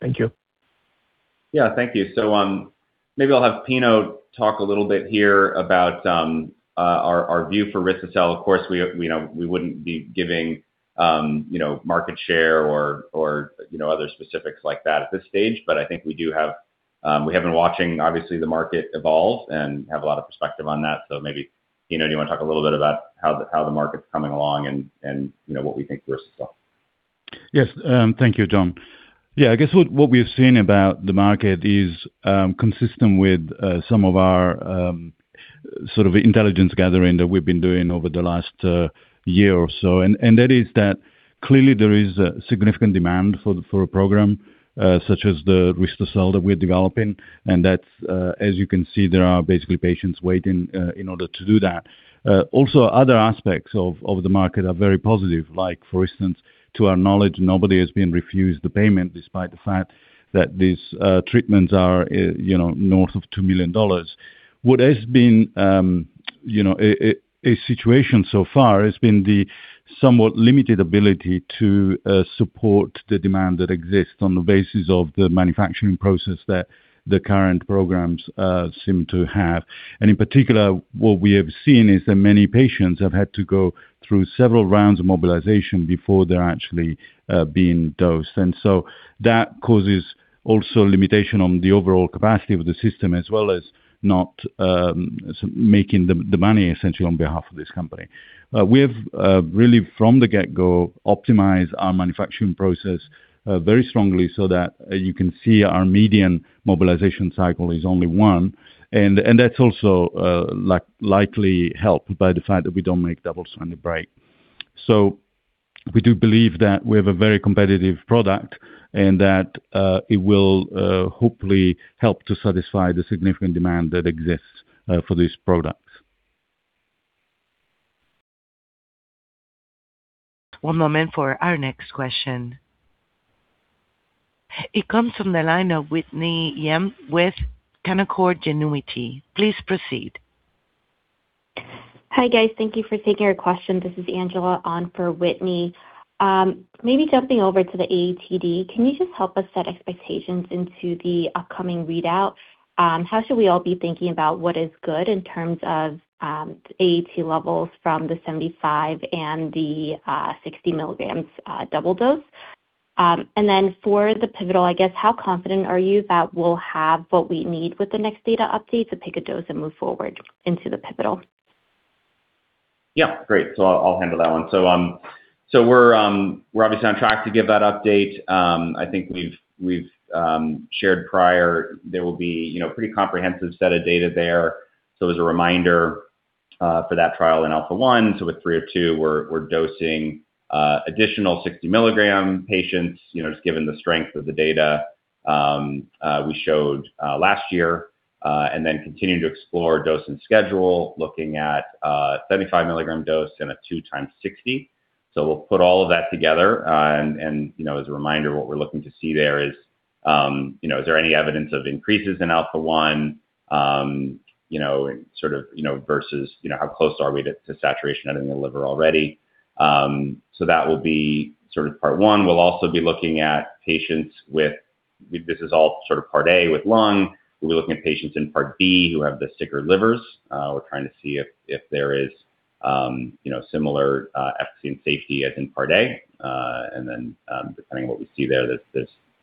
Thank you. Yeah, thank you. Maybe I'll have Pino talk a little bit here about, our view for risto-cel. Of course, we, you know, we wouldn't be giving, you know, market share or, you know, other specifics like that at this stage. I think we do have, we have been watching, obviously, the market evolve and have a lot of perspective on that. Maybe, Pino, do you wanna talk a little bit about how the, how the market's coming along and, you know, what we think of risto-cel? Yes. Thank you, John. Yeah, I guess what we've seen about the market is consistent with some of our sort of intelligence gathering that we've been doing over the last year or so. That is that clearly there is a significant demand for the, for a program such as the risto-cel that we're developing, and that's, as you can see, there are basically patients waiting in order to do that. Also, other aspects of the market are very positive. Like, for instance, to our knowledge, nobody has been refused the payment despite the fact that these treatments are, you know, north of $2 million. What has been, you know, a situation so far has been the somewhat limited ability to support the demand that exists on the basis of the manufacturing process that the current programs seem to have. In particular, what we have seen is that many patients have had to go through several rounds of mobilization before they're actually being dosed. That causes also limitation on the overall capacity of the system, as well as not making the money essentially on behalf of this company. We have really, from the get-go, optimized our manufacturing process very strongly so that you can see our median mobilization cycle is only one, and that's also like, likely helped by the fact that we don't make double-strand break. We do believe that we have a very competitive product and that, it will, hopefully help to satisfy the significant demand that exists, for these products. One moment for our next question. It comes from the line of Whitney Ijem with Canaccord Genuity. Please proceed. Hi, guys. Thank you for taking our question. This is Angela on for Whitney. Maybe jumping over to the AATD, can you just help us set expectations into the upcoming readout? How should we all be thinking about what is good in terms of AAT levels from the 75 mg and the 60 mg double dose? For the pivotal, I guess, how confident are you that we'll have what we need with the next data update to pick a dose and move forward into the pivotal? Yeah, great. I'll handle that one. We're obviously on track to give that update. I think we've shared prior there will be, you know, pretty comprehensive set of data there. As a reminder, for that trial in alpha-1, so with BEAM-302, we're dosing additional 60 milligram patients, you know, just given the strength of the data we showed last year. Then continuing to explore dose and schedule, looking at 75 mg dose and at 2 times 60. We'll put all of that together. You know, as a reminder, what we're looking to see there is, you know, is there any evidence of increases in alpha-1, you know, and sort of, you know, versus, you know, how close are we to saturation editing the liver already? That will be sort of part one. We'll also be looking at patients. This is all sort of Part A with lung. We'll be looking at patients in Part B who have the sicker livers. We're trying to see if there is, you know, similar efficacy and safety as in Part A. Then, depending on what we see there's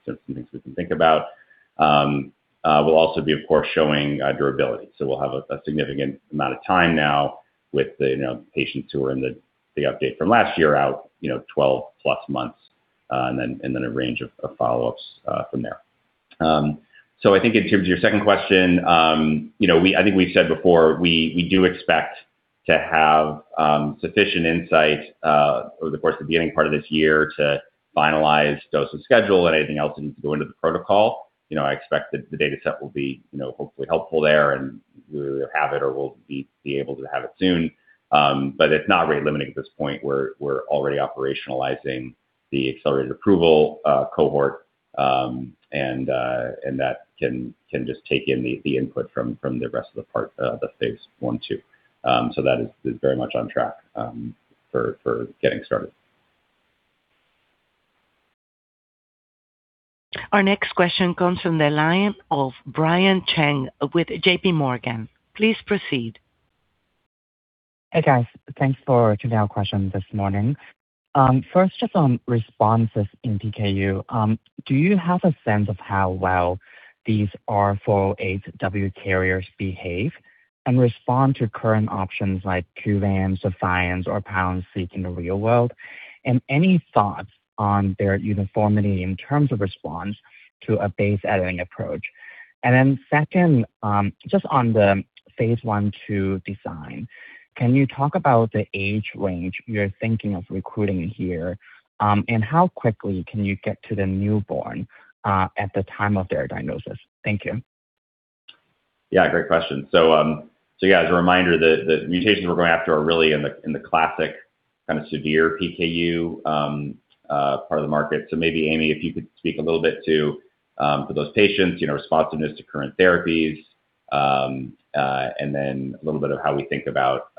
some things we can think about. We'll also be, of course, showing durability. We'll have a significant amount of time now with the, you know, patients who are in the update from last year out, you know, 12+ months, and then a range of follow-ups from there. I think in terms of your second question, you know, I think we've said before, we do expect to have sufficient insight over the course of the beginning part of this year to finalize dose and schedule and anything else that needs to go into the protocol. You know, I expect that the dataset will be, you know, hopefully helpful there, and we'll either have it or we'll be able to have it soon. It's not really limiting at this point. We're already operationalizing the accelerated approval cohort, and that can just take in the input from the rest of the part, the phase I/II. That is very much on track for getting started. Our next question comes from the line of Brian Cheng with JPMorgan. Please proceed. Hey, guys. Thanks for taking our question this morning. First, just on responses in PKU, do you have a sense of how well these R408W carriers behave and respond to current options like KUVAN, SEPHIENCE, or PALYNZIQ in the real world, and any thoughts on their uniformity in terms of response to a base editing approach? Second, just on the phase I/II design, can you talk about the age range you're thinking of recruiting here? And how quickly can you get to the newborn, at the time of their diagnosis? Thank you. Yeah, great question. so yeah, as a reminder, the mutations we're going after are really in the, in the classic kind of severe PKU, part of the market. maybe, Amy, if you could speak a little bit to, for those patients, you know, responsiveness to current therapies, and then a little bit of how we think about,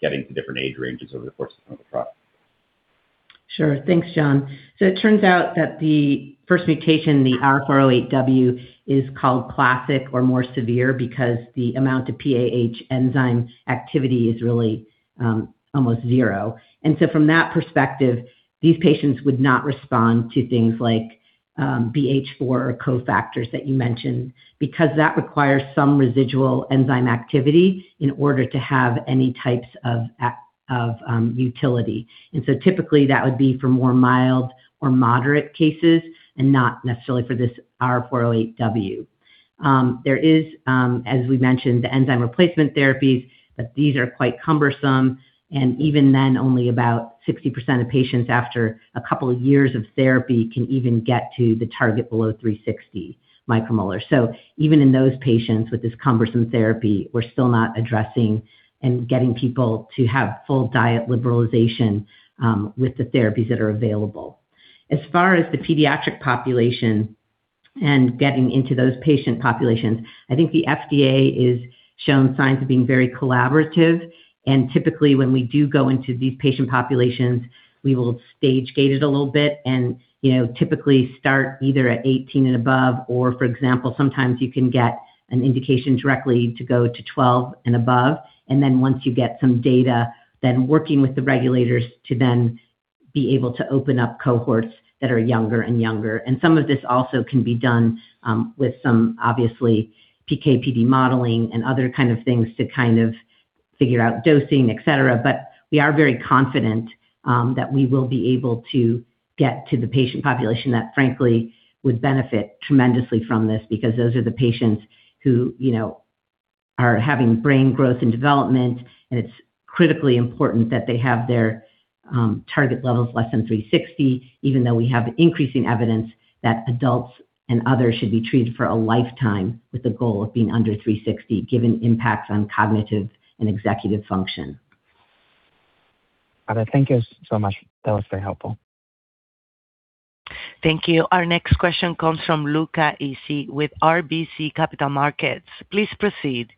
getting to different age ranges over the course of the product. It turns out that the first mutation, the R408W, is called classic or more severe because the amount of PAH enzyme activity is really almost zero. From that perspective, these patients would not respond to things like BH4 or cofactors that you mentioned, because that requires some residual enzyme activity in order to have any types of utility. Typically, that would be for more mild or moderate cases and not necessarily for this R408W. There is, as we mentioned, the enzyme replacement therapies, but these are quite cumbersome, and even then, only about 60% of patients after a couple of years of therapy can even get to the target below 360 micromolar. Even in those patients with this cumbersome therapy, we're still not addressing and getting people to have full diet liberalization with the therapies that are available. As far as the pediatric population and getting into those patient populations, I think the FDA is showing signs of being very collaborative. Typically, when we do go into these patient populations, we will stage-gate it a little bit and, you know, typically start either at 18 and above, or for example, sometimes you can get an indication directly to go to 12 and above. Once you get some data, then working with the regulators to then be able to open up cohorts that are younger and younger. Some of this also can be done with some, obviously, PKPD modeling and other kind of things to kind of figure out dosing, et cetera. We are very confident that we will be able to get to the patient population that, frankly, would benefit tremendously from this, because those are the patients who, you know, are having brain growth and development, and it's critically important that they have their target levels less than 360, even though we have increasing evidence that adults and others should be treated for a lifetime with the goal of being under 360, given impacts on cognitive and executive function. Got it. Thank you so much. That was very helpful. Thank you. Our next question comes from Luca Issi with RBC Capital Markets. Please proceed.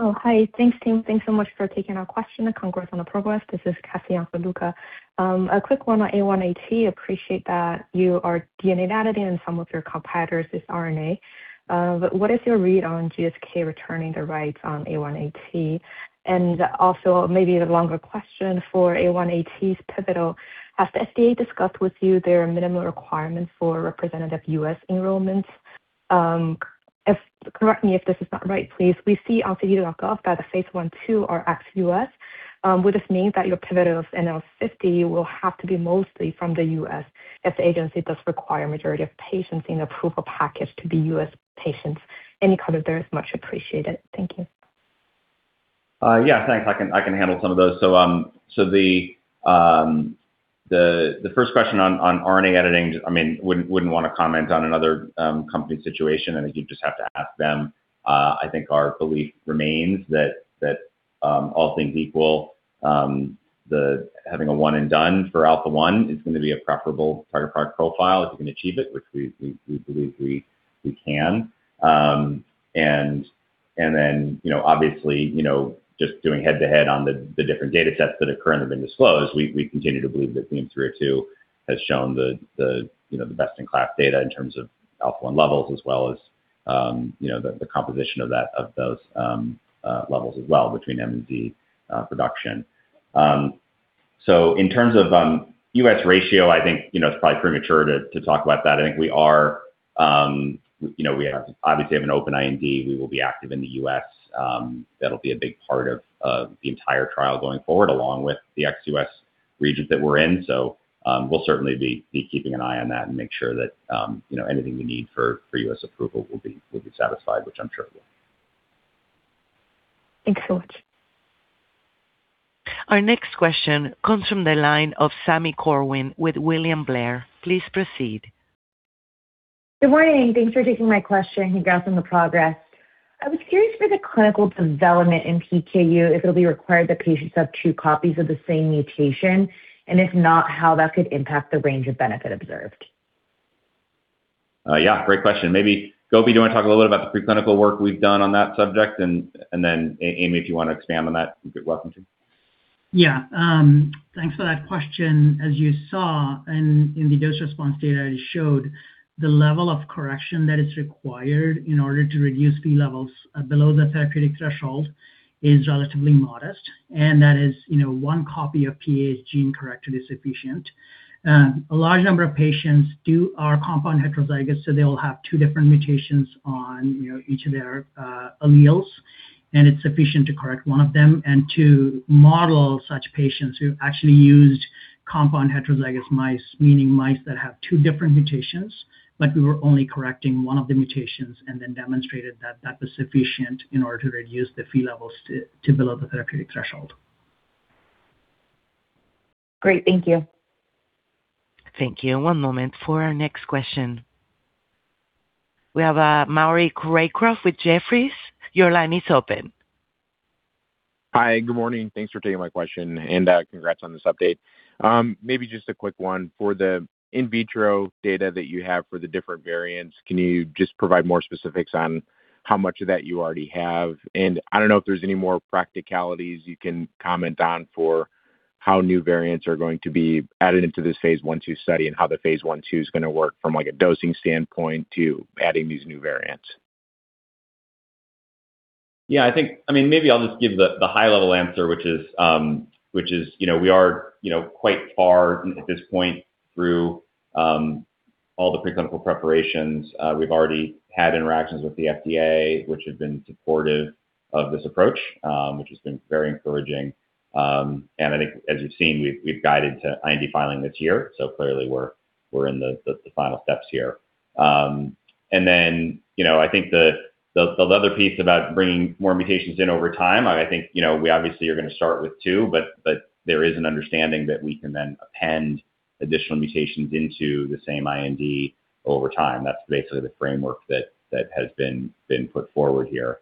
Hi. Thanks, team. Thanks so much for taking our question. Congrats on the progress. This is Cassie on for Luca. A quick one on A1AT. Appreciate that you are DNA editing, and some of your competitors is RNA. What is your read on GSK returning the rights on A1AT? Also maybe the longer question for A1AT's pivotal, has the FDA discussed with you their minimum requirements for representative U.S. enrollments? Correct me if this is not right, please. We see on ClinicalTrials.gov that the phase I/II are ex-U.S. Would this mean that your pivotal of NL 50 will have to be mostly from the U.S., if the agency does require a majority of patients in approval package to be U.S. patients? Any color there is much appreciated. Thank you. Yeah, thanks. I can handle some of those. The first question on RNA editing, wouldn't want to comment on another company's situation. I think you'd just have to ask them. I think our belief remains that all things equal, having a one and done for alpha one is going to be a preferable product profile if you can achieve it, which we believe we can. Then, you know, obviously, you know, just doing head-to-head on the different datasets that have currently been disclosed, we continue to believe that BEAM-302 has shown the, you know, the best-in-class data in terms of A1AT levels, as well as, you know, the composition of that, of those levels as well between MD production. In terms of U.S. ratio, I think, you know, it's probably premature to talk about that. I think we are, you know, we obviously have an open IND. We will be active in the U.S. That'll be a big part of the entire trial going forward, along with the ex-U.S. regions that we're in. We'll certainly be keeping an eye on that and make sure that, you know, anything we need for U.S. approval will be satisfied, which I'm sure it will. Thanks so much. Our next question comes from the line of Sami Corwin with William Blair. Please proceed. Good morning. Thanks for taking my question. Congrats on the progress. I was curious for the clinical development in PKU, if it'll be required that patients have two copies of the same mutation, and if not, how that could impact the range of benefit observed? Yeah, great question. Maybe, Gobi, do you want to talk a little bit about the preclinical work we've done on that subject? Then, Amy, if you want to expand on that, you're welcome to. Yeah. Thanks for that question. As you saw in the dose response data I showed, the level of correction that is required in order to reduce P levels below the therapeutic threshold is relatively modest, and that is, you know, one copy of PAH's gene correct to be sufficient. A large number of patients are compound heterozygous, so they'll have two different mutations on, you know, each of their alleles. It's sufficient to correct one of them, and to model such patients who actually used compound heterozygous mice, meaning mice that have two different mutations, but we were only correcting one of the mutations and then demonstrated that that was sufficient in order to reduce the Phe levels to below the therapeutic threshold. Great, thank you. Thank you. One moment for our next question. We have Maury Raycroft with Jefferies. Your line is open. Hi, good morning. Thanks for taking my question, and congrats on this update. Maybe just a quick one. For the in vitro data that you have for the different variants, can you just provide more specifics on how much of that you already have? I don't know if there's any more practicalities you can comment on for how new variants are going to be added into this phase I/II study, and how the phase I/II is gonna work from a dosing standpoint to adding these new variants. Yeah, I think. I mean, maybe I'll just give the high-level answer, which is, you know, we are, you know, quite far at this point through all the preclinical preparations. We've already had interactions with the FDA, which have been supportive of this approach, which has been very encouraging. I think, as you've seen, we've guided to IND filing this year, so clearly we're in the final steps here. Then, you know, I think the other piece about bringing more mutations in over time, I think, you know, we obviously are gonna start with two, but there is an understanding that we can then append additional mutations into the same IND over time. That's basically the framework that has been put forward here.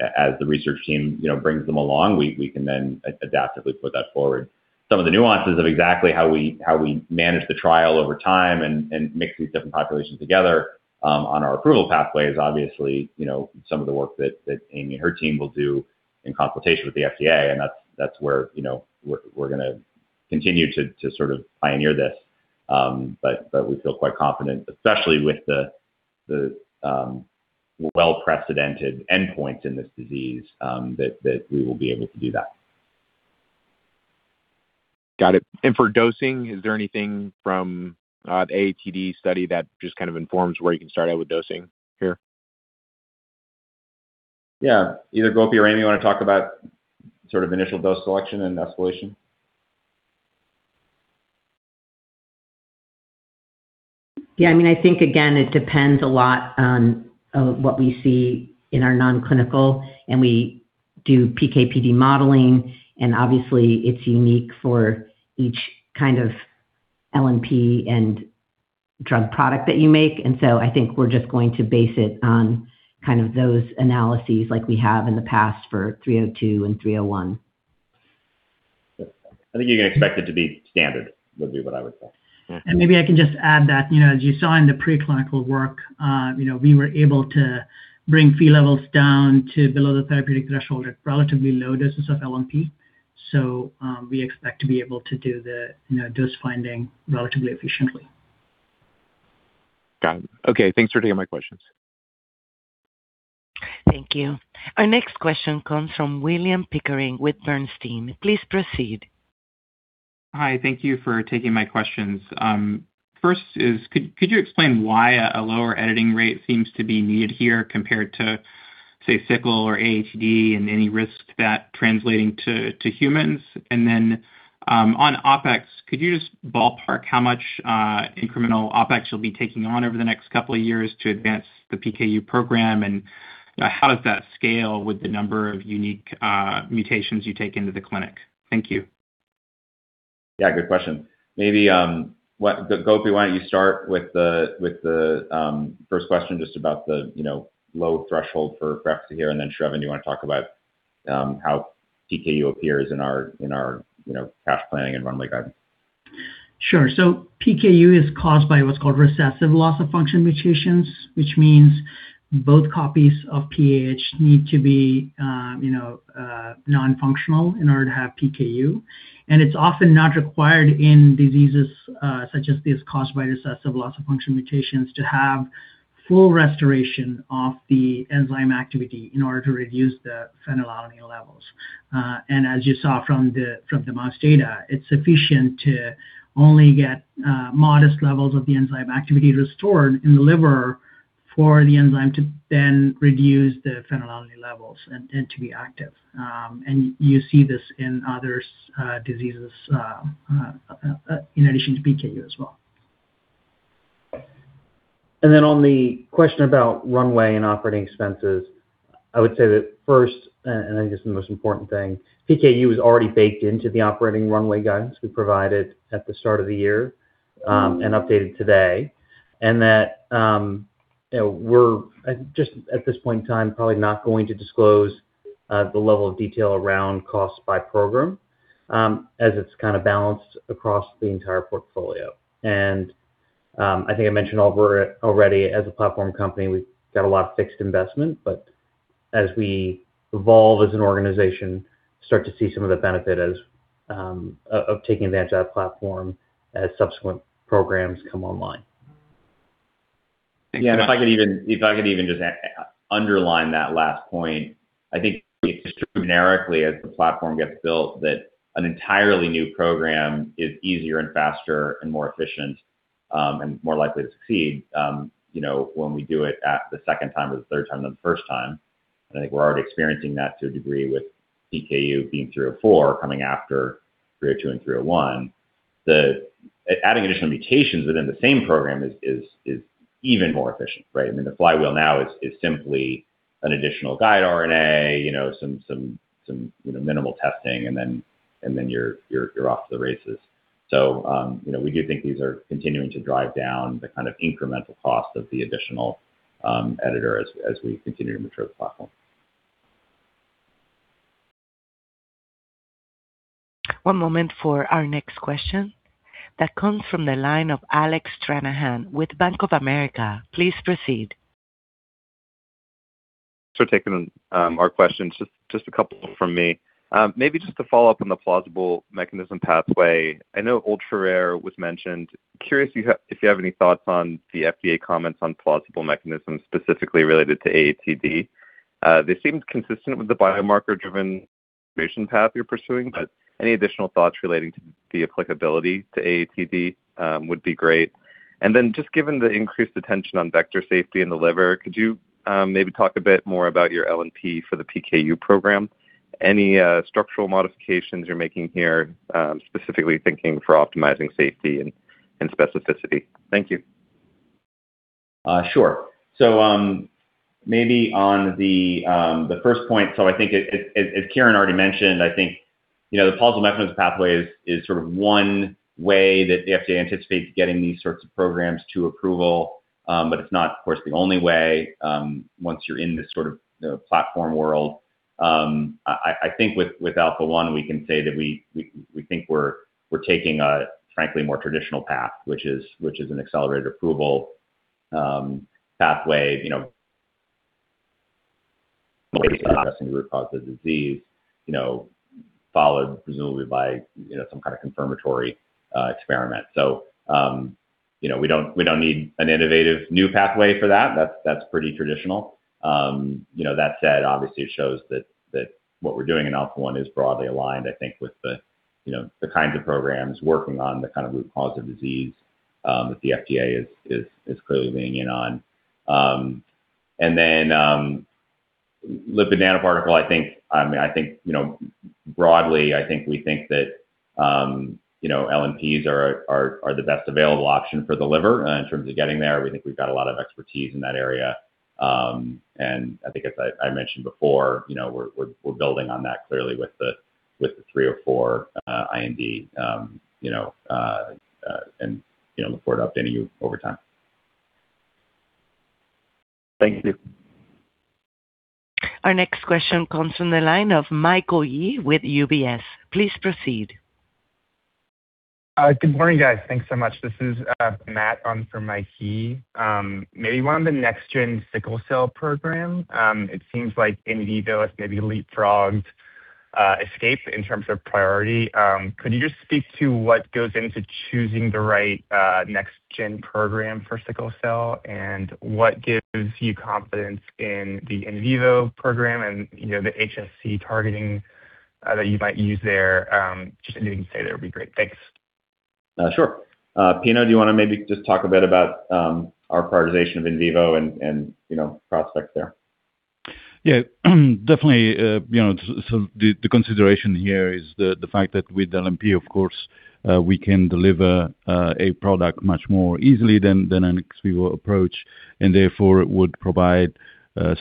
As the research team, you know, brings them along, we can then adaptively put that forward. Some of the nuances of exactly how we manage the trial over time and mix these different populations together on our approval pathway is obviously, you know, some of the work that Amy and her team will do in consultation with the FDA, and that's where, you know, we're gonna continue to sort of pioneer this. We feel quite confident, especially with the well-precedented endpoint in this disease, that we will be able to do that. Got it. For dosing, is there anything from the AATD study that just kind of informs where you can start out with dosing here? Either Gopi or Amy, you wanna talk about sort of initial dose selection and escalation? Yeah, I mean, I think, again, it depends a lot on, what we see in our non-clinical, and we do PKPD modeling, and obviously, it's unique for each kind of LNP and drug product that you make. I think we're just going to base it on kind of those analyses like we have in the past for BEAM-302 and BEAM-301. I think you can expect it to be standard, would be what I would say. Maybe I can just add that, you know, as you saw in the preclinical work, you know, we were able to bring Phe levels down to below the therapeutic threshold at relatively low doses of LNP, so, we expect to be able to do the, you know, dose finding relatively efficiently. Got it. Okay, thanks for taking my questions. Thank you. Our next question comes from William Pickering with Bernstein. Please proceed. Hi, thank you for taking my questions. First is, could you explain why a lower editing rate seems to be needed here compared to, say, sickle or AATD, and any risk to that translating to humans? On OpEx, could you just ballpark how much incremental OpEx you'll be taking on over the next couple of years to advance the PKU program? How does that scale with the number of unique mutations you take into the clinic? Thank you. Good question. Maybe Gopi, why don't you start with the first question just about the, you know, low threshold for perhaps here, and then Sravan, do you want to talk about how PKU appears in our, you know, cash planning and runway guidance? Sure. PKU is caused by what's called recessive loss of function mutations, which means both copies of PAH need to be, you know, non-functional in order to have PKU. It's often not required in diseases such as these, caused by recessive loss of function mutations, to have full restoration of the enzyme activity in order to reduce the phenylalanine levels. As you saw from the mouse data, it's sufficient to only get modest levels of the enzyme activity restored in the liver for the enzyme to then reduce the phenylalanine levels and to be active. You see this in other diseases in addition to PKU as well. On the question about runway and operating expenses, I would say that first, and I think it's the most important thing, PKU is already baked into the operating runway guidance we provided at the start of the year and updated today. That, you know, we're just at this point in time, probably not going to disclose the level of detail around cost by program as it's kind of balanced across the entire portfolio. I think I mentioned already as a platform company, we've got a lot of fixed investment, but as we evolve as an organization, start to see some of the benefit as of taking advantage of that platform as subsequent programs come online. If I could even underline that last point, I think it's generically, as the platform gets built, that an entirely new program is easier and faster and more efficient. And more likely to succeed, you know, when we do it at the second time or the third time than the first time. I think we're already experiencing that to a degree with PKU being 3 or 4, coming after 302 and 301. Adding additional mutations within the same program is even more efficient, right? I mean, the flywheel now is simply an additional guide RNA, you know, some, you know, minimal testing, and then you're off to the races. You know, we do think these are continuing to drive down the kind of incremental cost of the additional editor as we continue to mature the platform. One moment for our next question. That comes from the line of Alec Stranahan with Bank of America. Please proceed. For taking our questions. Just a couple from me. Maybe just to follow up on the Plausible Mechanism Pathway. I know ultra-rare was mentioned. Curious if you have any thoughts on the FDA comments on plausible mechanisms, specifically related to AATD? They seemed consistent with the biomarker-driven path you're pursuing, any additional thoughts relating to the applicability to AATD would be great. Just given the increased attention on vector safety in the liver, could you maybe talk a bit more about your LNP for the PKU program? Any structural modifications you're making here, specifically thinking for optimizing safety and specificity? Thank you. Sure. Maybe on the first point, I think as Kiran already mentioned, I think, you know, the Plausible Mechanism Pathway is sort of one way that the FDA anticipates getting these sorts of programs to approval. It's not, of course, the only way once you're in this sort of platform world. I think with alpha-1, we can say that we think we're taking a, frankly, more traditional path, which is an accelerated approval pathway. You know, addressing the root cause of disease, you know, followed presumably by, you know, some kind of confirmatory experiment. You know, we don't need an innovative new pathway for that. That's pretty traditional. You know, that said, obviously it shows that what we're doing in alpha-1 is broadly aligned, I think, with the, you know, the kinds of programs working on the kind of root cause of disease that the FDA is clearly leaning in on. With the nanoparticle, I think, I mean, I think, you know, broadly, I think we think that, you know, LNPs are the best available option for the liver in terms of getting there. We think we've got a lot of expertise in that area. I think, as I mentioned before, you know, we're building on that clearly with the 3 or 4 IND, and, you know, look forward to updating you over time. Thank you. Our next question comes from the line of Michael Yee with UBS. Please proceed. Good morning, guys. Thanks so much. This is Matt on for Mike Yee. Maybe on the next gen sickle cell program, it seems like in vivo has maybe leapfrogged ESCAPE in terms of priority. Could you just speak to what goes into choosing the right next gen program for sickle cell? What gives you confidence in the in vivo program and, you know, the HSC targeting that you might use there, just anything you can say there would be great. Thanks. Sure. Pino, do you wanna maybe just talk a bit about our prioritization of in vivo and, you know, prospects there? Yeah. Definitely, you know, so the consideration here is the fact that with LNP, of course, we can deliver a product much more easily than an ex vivo approach, and therefore it would provide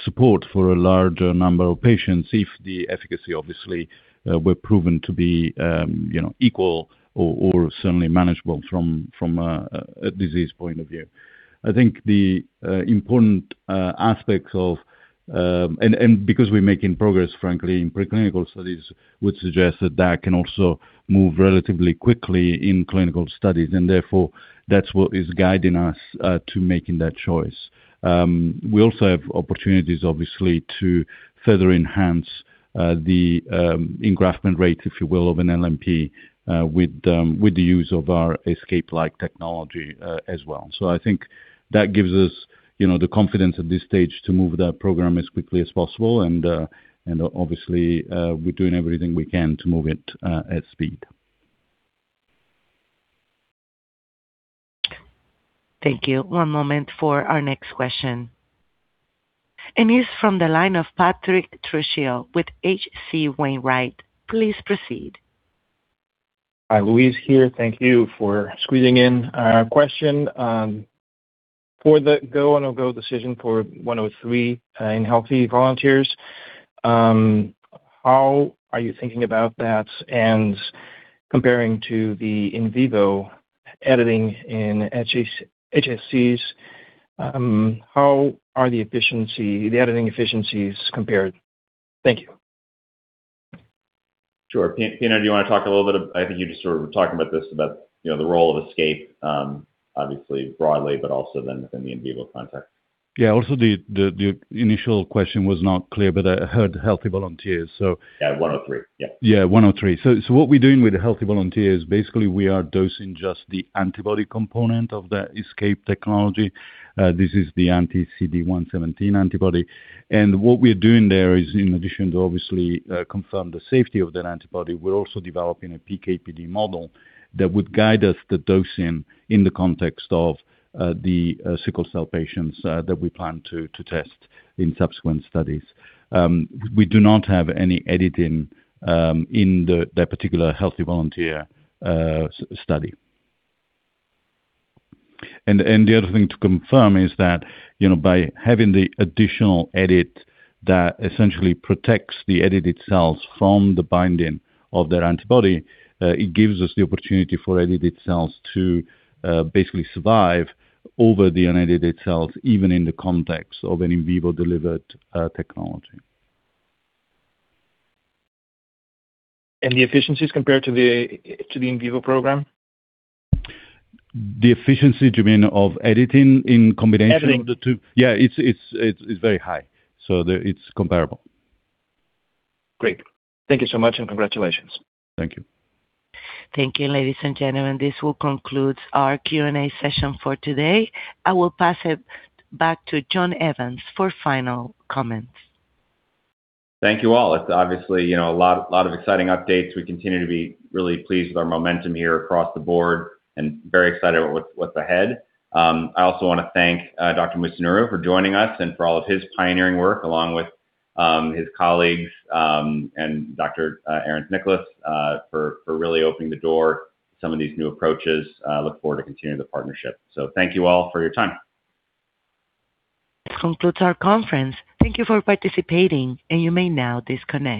support for a larger number of patients if the efficacy obviously, were proven to be, you know, equal or certainly manageable from a disease point of view. I think the important aspects of... Because we're making progress, frankly, in preclinical studies, would suggest that that can also move relatively quickly in clinical studies, and therefore, that's what is guiding us to making that choice. We also have opportunities, obviously, to further enhance the engraftment rate, if you will, of an LNP, with the use of our ESCAPE-like technology as well. I think that gives us, you know, the confidence at this stage to move that program as quickly as possible, and obviously, we're doing everything we can to move it, at speed. Thank you. One moment for our next question. It's from the line of Patrick Trucchio with H.C. Wainwright. Please proceed. Hi, Louise here. Thank you for squeezing in our question. For the go and no-go decision for BEAM-103, in healthy volunteers, how are you thinking about that? And comparing to the in vivo editing in HSCs, how are the efficiency, the editing efficiencies compared? Thank you. Sure. Pino, do you wanna talk a little bit I think you just sort of were talking about this, about, you know, the role of ESCAPE, obviously, broadly, but also then within the in vivo context. Yeah. The initial question was not clear, but I heard healthy volunteers. Yeah, 103. Yeah. 103. What we're doing with the healthy volunteers, basically, we are dosing just the antibody component of the ESCAPE technology. This is the anti-CD117 antibody. What we're doing there is, in addition to obviously, confirm the safety of that antibody, we're also developing a PK/PD model that would guide us the dosing in the context of the sickle cell patients that we plan to test in subsequent studies. We do not have any editing in that particular healthy volunteer study. The other thing to confirm is that, you know, by having the additional edit that essentially protects the edited cells from the binding of their antibody, it gives us the opportunity for edited cells to basically survive over the unedited cells, even in the context of an in vivo delivered technology. The efficiencies compared to the in vivo program? The efficiency, do you mean of editing in combination- Editing of the two? Yeah, it's very high. It's comparable. Great. Thank you so much, and congratulations. Thank you. Thank you, ladies and gentlemen. This will conclude our Q&A session for today. I will pass it back to John Evans for final comments. Thank you all. It's obviously, you know, a lot of exciting updates. We continue to be really pleased with our momentum here across the board and very excited with what's ahead. I also wanna thank Dr. Musunuru, for joining us and for all of his pioneering work, along with his colleagues, and Dr. Aaron Nicholas, for really opening the door to some of these new approaches. Look forward to continuing the partnership. Thank you all for your time. This concludes our conference. Thank you for participating. You may now disconnect.